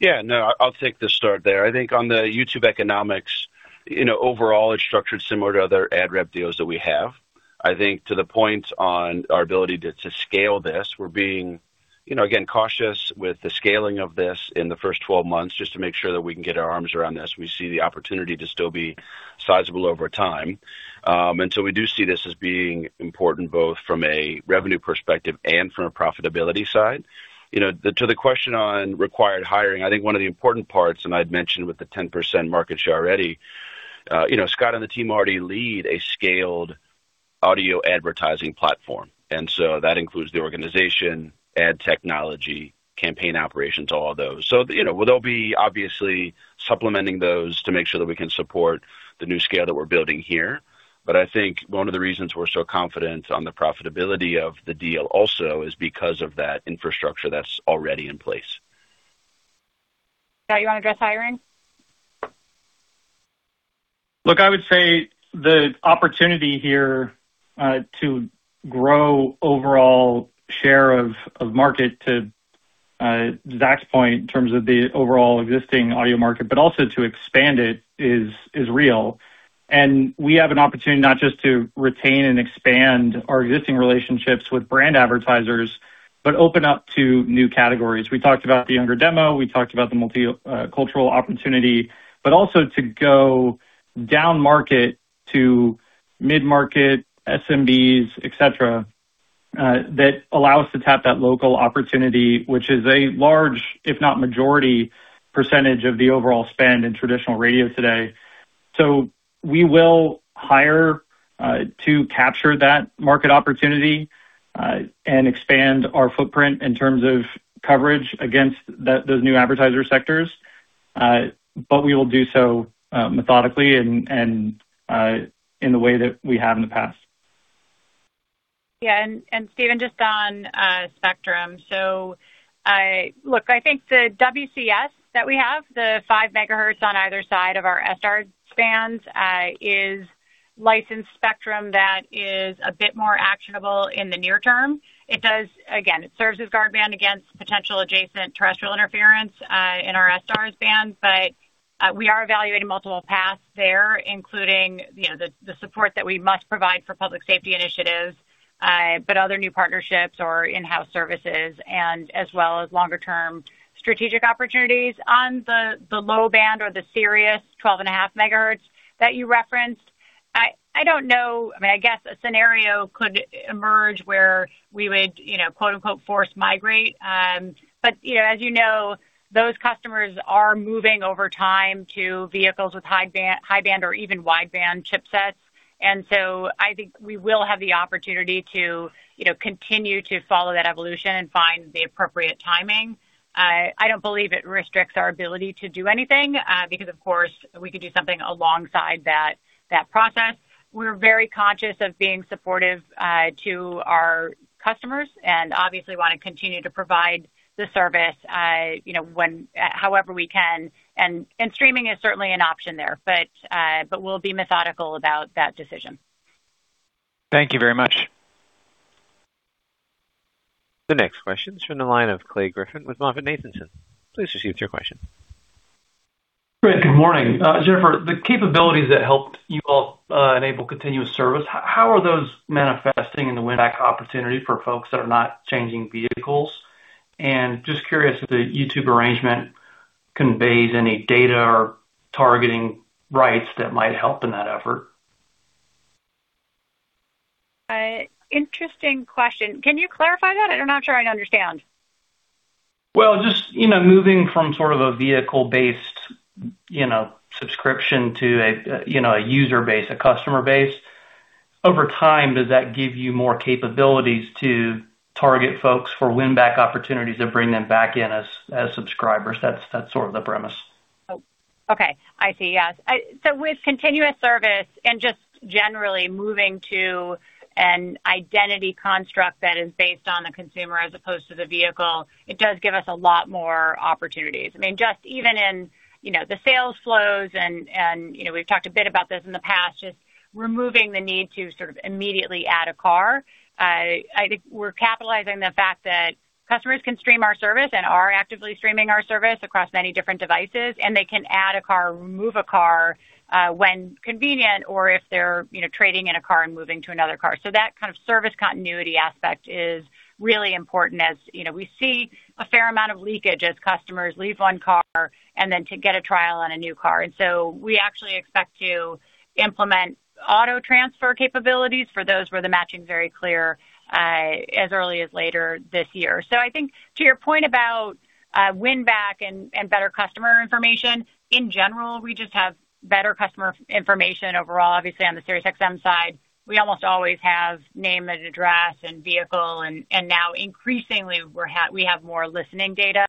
Yeah, no, I'll take the start there. I think on the YouTube economics, overall it's structured similar to other ad rep deals that we have. I think to the point on our ability to scale this, we're being, again, cautious with the scaling of this in the first 12 months, just to make sure that we can get our arms around this. We see the opportunity to still be sizable over time. We do see this as being important both from a revenue perspective and from a profitability side. To the question on required hiring, I think one of the important parts, and I'd mentioned with the 10% market share already, Scott and the team already lead a scaled audio advertising platform. That includes the organization, ad technology, campaign operations, all of those. We'll be obviously supplementing those to make sure that we can support the new scale that we're building here. I think one of the reasons we're so confident on the profitability of the deal also is because of that infrastructure that's already in place. Scott, you want to address hiring? Look, I would say the opportunity here to grow overall share of market, to Zac's point, in terms of the overall existing audio market, but also to expand it is real. We have an opportunity not just to retain and expand our existing relationships with brand advertisers, but open up to new categories. We talked about the younger demo, we talked about the multicultural opportunity, but also to go down market to mid-market SMBs, et cetera, that allow us to tap that local opportunity, which is a large, if not majority percentage of the overall spend in traditional radio today. We will hire to capture that market opportunity, and expand our footprint in terms of coverage against those new advertiser sectors. We will do so methodically and in the way that we have in the past. Yeah. Steven, just on spectrum. Look, I think the WCS that we have, the 5 MHz on either side of our SDARS bands, is licensed spectrum that is a bit more actionable in the near term. Again, it serves as guard band against potential adjacent terrestrial interference, in our SDARS's band. We are evaluating multiple paths there, including the support that we must provide for public safety initiatives, but other new partnerships or in-house services, as well as longer term strategic opportunities on the low band or the Sirius 12 and a 1.5 MHz that you referenced. I don't know, I guess a scenario could emerge where we would "force migrate." As you know, those customers are moving over time to vehicles with highband or even wideband chipsets. I think we will have the opportunity to continue to follow that evolution and find the appropriate timing. I don't believe it restricts our ability to do anything, because of course, we could do something alongside that process. We're very conscious of being supportive to our customers and obviously want to continue to provide the service however we can, and streaming is certainly an option there. We'll be methodical about that decision. Thank you very much. The next question is from the line of Clay Griffin with MoffettNathanson. Please proceed with your question. Great. Good morning. Jennifer, the capabilities that helped you all enable continuous service, how are those manifesting in the win-back opportunity for folks that are not changing vehicles? Just curious if the YouTube arrangement conveys any data or targeting rights that might help in that effort. Interesting question. Can you clarify that? I'm not sure I understand. Well, just moving from sort of a vehicle-based subscription to a user base, a customer base. Over time, does that give you more capabilities to target folks for win-back opportunities to bring them back in as subscribers? That's sort of the premise. Oh, okay. I see. Yes. With continuous service and just generally moving to an identity construct that is based on the consumer as opposed to the vehicle, it does give us a lot more opportunities. Just even in the sales flows, we've talked a bit about this in the past, just removing the need to sort of immediately add a car. I think we're capitalizing the fact that customers can stream our service and are actively streaming our service across many different devices, and they can add a car, remove a car, when convenient or if they're trading in a car and moving to another car. That kind of service continuity aspect is really important. As we see a fair amount of leakage as customers leave one car and then to get a trial on a new car. We actually expect to implement auto transfer capabilities for those where the matching's very clear, as early as later this year. I think to your point about win-back and better customer information, in general, we just have better customer information overall. Obviously, on the SiriusXM side, we almost always have name and address and vehicle, and now increasingly, we have more listening data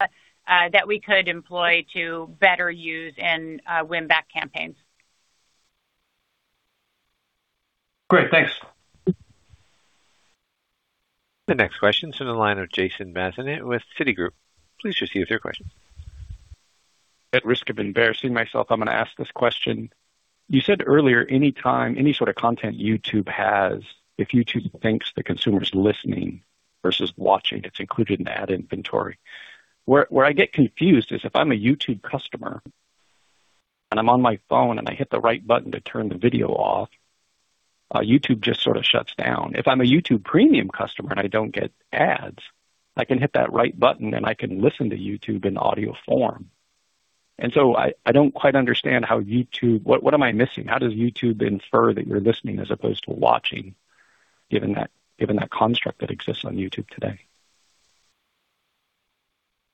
that we could employ to better use in win-back campaigns. Great. Thanks. The next question's from the line of Jason Bazinet with Citigroup. Please proceed with your question. At risk of embarrassing myself, I'm going to ask this question. You said earlier, any time, any sort of content YouTube has, if YouTube thinks the consumer's listening versus watching, it's included in the ad inventory. Where I get confused is if I'm a YouTube customer and I'm on my phone and I hit the right button to turn the video off, YouTube just sort of shuts down. If I'm a YouTube Premium customer and I don't get ads, I can hit that right button and I can listen to YouTube in audio form. I don't quite understand how what am I missing? How does YouTube infer that you're listening as opposed to watching, given that construct that exists on YouTube today?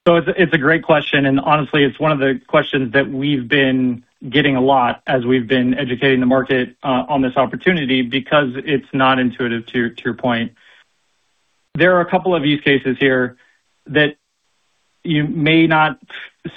It's a great question, and honestly, it's one of the questions that we've been getting a lot as we've been educating the market on this opportunity because it's not intuitive, to your point. There are a couple of use cases here that you may not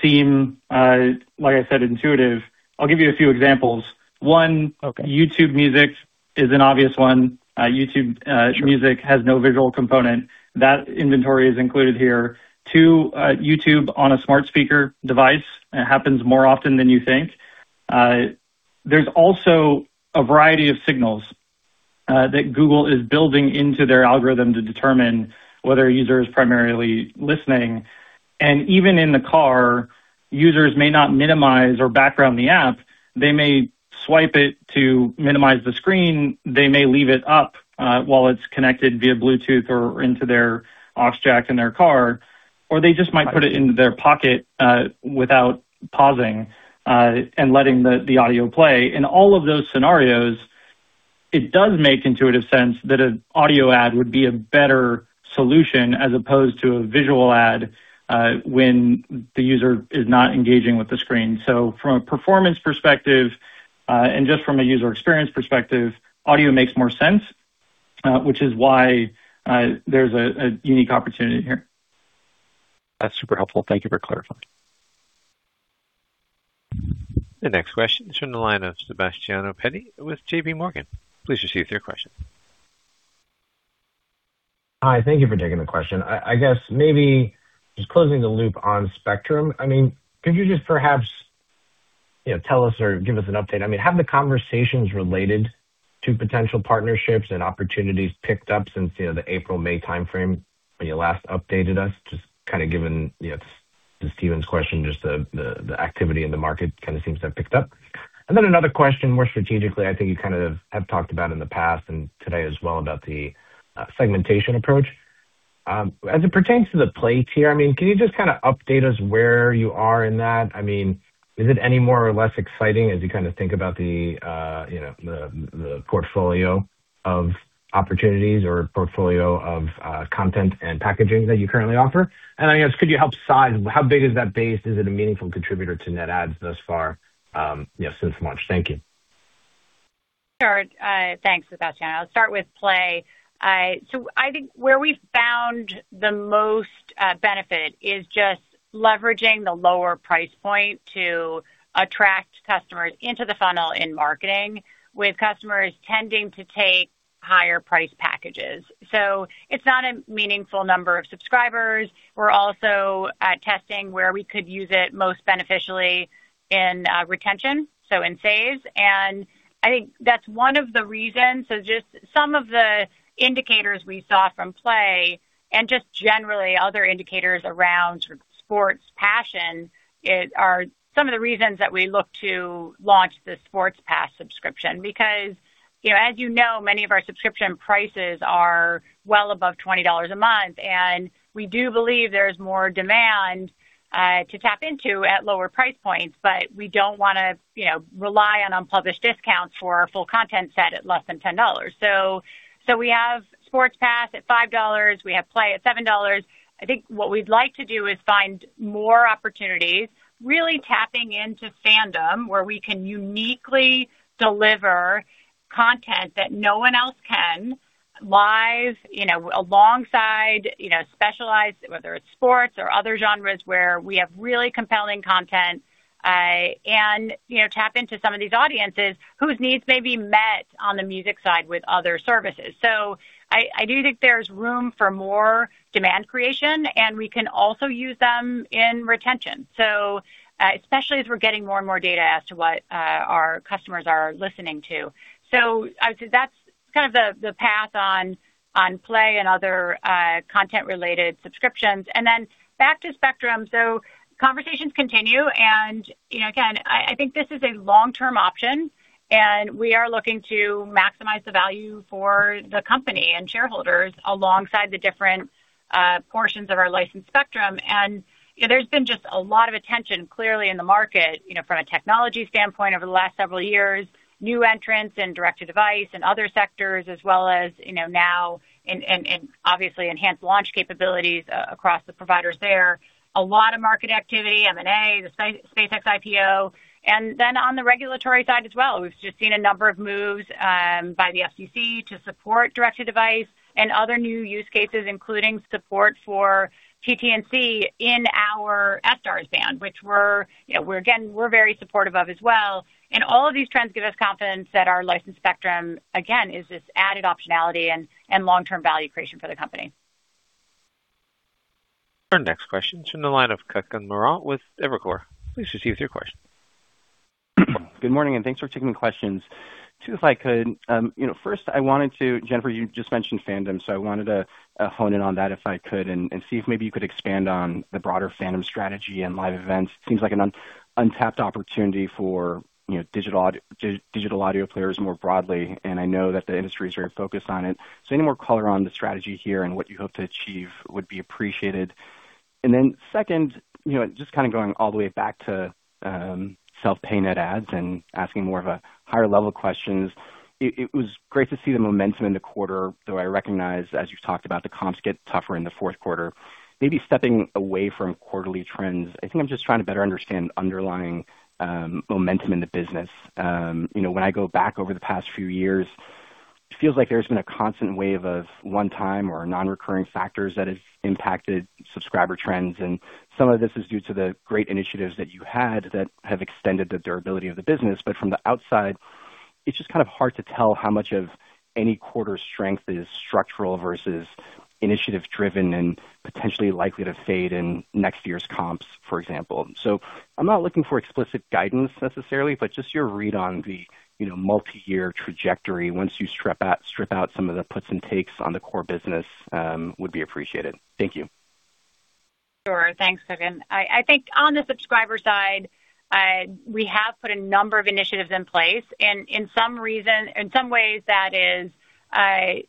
seem, like I said, intuitive. I'll give you a few examples. Okay. YouTube Music is an obvious one. YouTube Music has no visual component. That inventory is included here. Two, YouTube on a smart speaker device. It happens more often than you think. There's also a variety of signals that Google is building into their algorithm to determine whether a user is primarily listening. Even in the car, users may not minimize or background the app. They may swipe it to minimize the screen. They may leave it up while it's connected via Bluetooth or into their aux jack in their car. They just might put it into their pocket, without pausing, and letting the audio play. In all of those scenarios, it does make intuitive sense that an audio ad would be a better solution as opposed to a visual ad, when the user is not engaging with the screen. From a performance perspective, and just from a user experience perspective, audio makes more sense, which is why there's a unique opportunity here. That's super helpful. Thank you for clarifying. The next question is from the line of Sebastiano Petti with JPMorgan. Please proceed with your question. Hi. Thank you for taking the question. I guess maybe closing the loop on Spectrum, could you perhaps tell us or give us an update? Have the conversations related to potential partnerships and opportunities picked up since the April, May timeframe when you last updated us, given to Steven's question, the activity in the market seems to have picked up. Another question, more strategically, I think you have talked about in the past and today as well, about the segmentation approach. As it pertains to the Play tier, can you update us where you are in that? Is it any more or less exciting as you think about the portfolio of opportunities or portfolio of content and packaging that you currently offer? Could you help size, how big is that base? Is it a meaningful contributor to net adds thus far since March? Thank you. Sure. Thanks, Sebastiano. I'll start with Play. I think where we found the most benefit is leveraging the lower price point to attract customers into the funnel in marketing, with customers tending to take higher priced packages. It's not a meaningful number of subscribers. We're also testing where we could use it most beneficially in retention, so in saves. I think that's one of the reasons, some of the indicators we saw from Play and generally other indicators around sort of sports passion are some of the reasons that we look to launch the Sports Pass subscription. As you know, many of our subscription prices are well above $20 a month, and we do believe there's more demand to tap into at lower price points. We don't want to rely on unpublished discounts for our full content set at less than $10. We have Sports Pass at $5, we have Play at $7. I think what we'd like to do is find more opportunities, really tapping into fandom, where we can uniquely deliver content that no one else can, live, alongside specialized, whether it's sports or other genres where we have really compelling content and tap into some of these audiences whose needs may be met on the music side with other services. I do think there's room for more demand creation, and we can also use them in retention. Especially as we're getting more and more data as to what our customers are listening to. I would say that's the path on Play and other content-related subscriptions. Back to spectrum. Conversations continue, again, I think this is a long-term option, and we are looking to maximize the value for the company and shareholders alongside the different portions of our licensed spectrum. There's been just a lot of attention, clearly, in the market from a technology standpoint over the last several years. New entrants and direct to device and other sectors as well as now and obviously enhanced launch capabilities across the providers there. A lot of market activity, M&A, the SpaceX IPO. Then on the regulatory side as well, we've just seen a number of moves by the FCC to support direct to device and other new use cases, including support for TT&C in our SDARS band, which, again, we're very supportive of as well. All of these trends give us confidence that our licensed spectrum, again, is this added optionality and long-term value creation for the company. Our next question is from the line of Kutgun Maral with Evercore. Please proceed with your question. Good morning. Thanks for taking the questions. Two, if I could. First, I wanted to, Jennifer, you just mentioned fandom, so I wanted to hone in on that if I could and see if maybe you could expand on the broader fandom strategy and live events. Seems like an untapped opportunity for digital audio players more broadly. I know that the industry is very focused on it. Any more color on the strategy here and what you hope to achieve would be appreciated. Then second, just kind of going all the way back to self-pay net adds and asking more of a higher level questions. It was great to see the momentum in the quarter, though I recognize, as you've talked about, the comps get tougher in the fourth quarter. Maybe stepping away from quarterly trends, I think I'm just trying to better understand underlying momentum in the business. When I go back over the past few years, it feels like there's been a constant wave of one-time or non-recurring factors that have impacted subscriber trends. Some of this is due to the great initiatives that you had that have extended the durability of the business. From the outside, it's just kind of hard to tell how much of any quarter's strength is structural versus initiative-driven and potentially likely to fade in next year's comps, for example. I'm not looking for explicit guidance, necessarily, but just your read on the multi-year trajectory once you strip out some of the puts and takes on the core business would be appreciated. Thank you. Sure. Thanks, Kutgun. I think on the subscriber side, we have put a number of initiatives in place. In some ways, that is an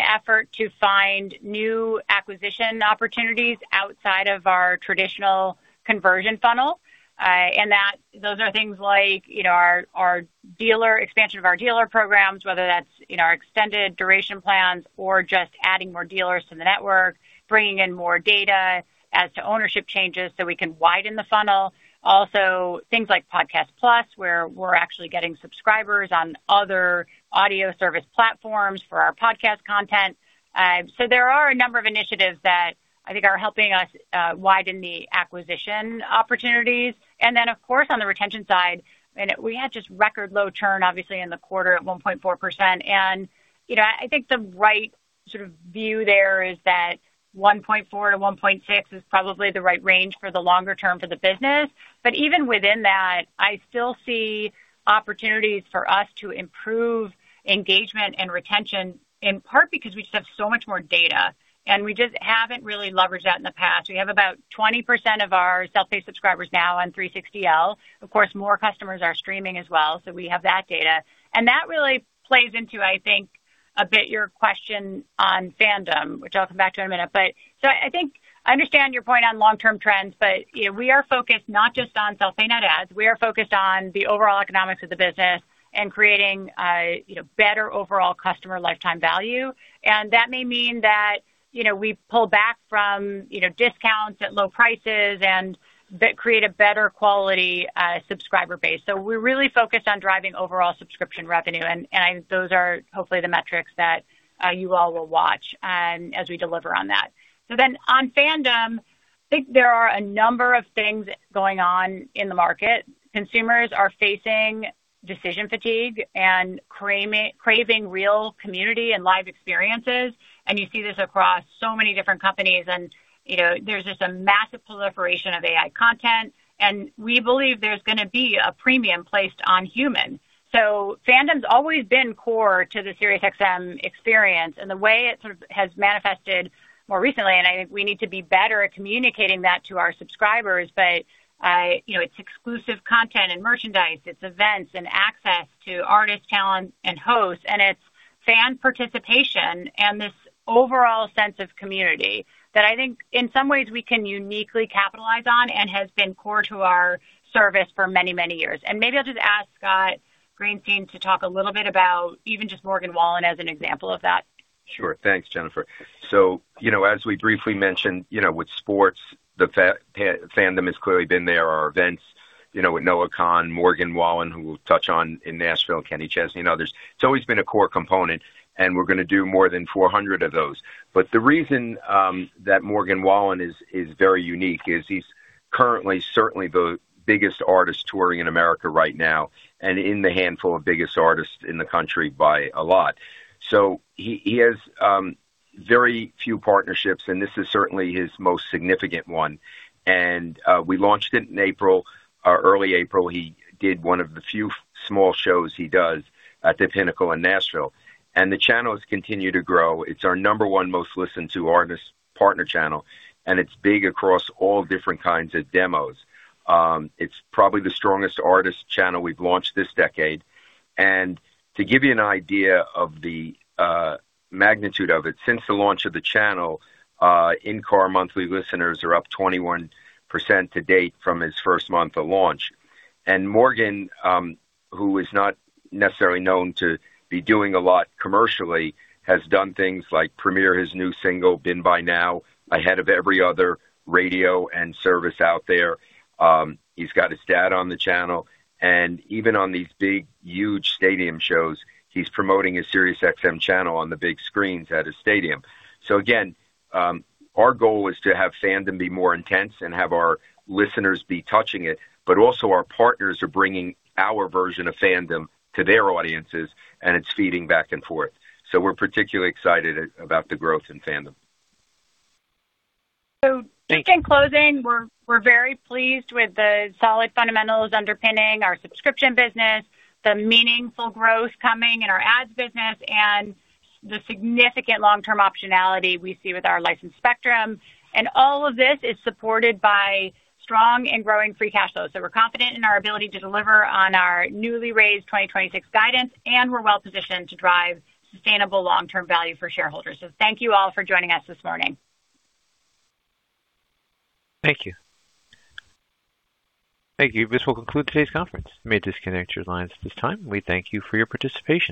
effort to find new acquisition opportunities outside of our traditional conversion funnel. Those are things like expansion of our dealer programs, whether that's extended duration plans or just adding more dealers to the network, bringing in more data as to ownership changes so we can widen the funnel. Also, things like Podcast Plus, where we're actually getting subscribers on other audio service platforms for our podcast content. There are a number of initiatives that I think are helping us widen the acquisition opportunities. Then, of course, on the retention side, we had just record low churn, obviously, in the quarter at 1.4%. I think the right sort of view there is that 1.4%-1.6% is probably the right range for the longer term for the business. Even within that, I still see opportunities for us to improve engagement and retention, in part because we just have so much more data and we just haven't really leveraged that in the past. We have about 20% of our self-pay subscribers now on 360L. Of course, more customers are streaming as well, so we have that data. That really plays into, I think, a bit your question on fandom, which I'll come back to in a minute. I think I understand your point on long-term trends, but we are focused not just on self-pay net adds, we are focused on the overall economics of the business and creating better overall customer lifetime value. That may mean that we pull back from discounts at low prices and that create a better quality subscriber base. We're really focused on driving overall subscription revenue, and those are hopefully the metrics that you all will watch as we deliver on that. Then on fandom, I think there are a number of things going on in the market. Consumers are facing decision fatigue and craving real community and live experiences. You see this across so many different companies. There's just a massive proliferation of AI content. We believe there's going to be a premium placed on human. Fandom's always been core to the SiriusXM experience and the way it sort of has manifested more recently. I think we need to be better at communicating that to our subscribers. It's exclusive content and merchandise, it's events and access to artist talent and hosts, and it's fan participation and this overall sense of community that I think in some ways we can uniquely capitalize on and has been core to our service for many, many years. Maybe I'll just ask Scott Greenstein to talk a little bit about even just Morgan Wallen as an example of that. Sure. Thanks, Jennifer. As we briefly mentioned, with sports, the fandom has clearly been there. Our events, with Noah Kahan, Morgan Wallen, who we'll touch on in Nashville, Kenny Chesney and others. It's always been a core component and we're going to do more than 400 of those. The reason that Morgan Wallen is very unique is he's currently certainly the biggest artist touring in America right now and in the handful of biggest artists in the country by a lot. He has very few partnerships, and this is certainly his most significant one. We launched it in April or early April. He did one of the few small shows he does at The Pinnacle in Nashville. The channels continue to grow. It's our number one most listened to artist partner channel, and it's big across all different kinds of demos. It's probably the strongest artist channel we've launched this decade. To give you an idea of the magnitude of it, since the launch of the channel, in-car monthly listeners are up 21% to date from its first month of launch. Morgan, who is not necessarily known to be doing a lot commercially, has done things like premiere his new single, Been By Now, ahead of every other radio and service out there. He's got his dad on the channel, and even on these big, huge stadium shows, he's promoting his SiriusXM channel on the big screens at his stadium. Again, our goal is to have fandom be more intense and have our listeners be touching it, but also our partners are bringing our version of fandom to their audiences and it's feeding back and forth. We're particularly excited about the growth in fandom. I think in closing, we're very pleased with the solid fundamentals underpinning our subscription business, the meaningful growth coming in our ads business and the significant long-term optionality we see with our licensed spectrum. All of this is supported by strong and growing free cash flow. We're confident in our ability to deliver on our newly raised 2026 guidance, and we're well-positioned to drive sustainable long-term value for shareholders. Thank you all for joining us this morning. Thank you. Thank you. This will conclude today's conference. You may disconnect your lines at this time. We thank you for your participation.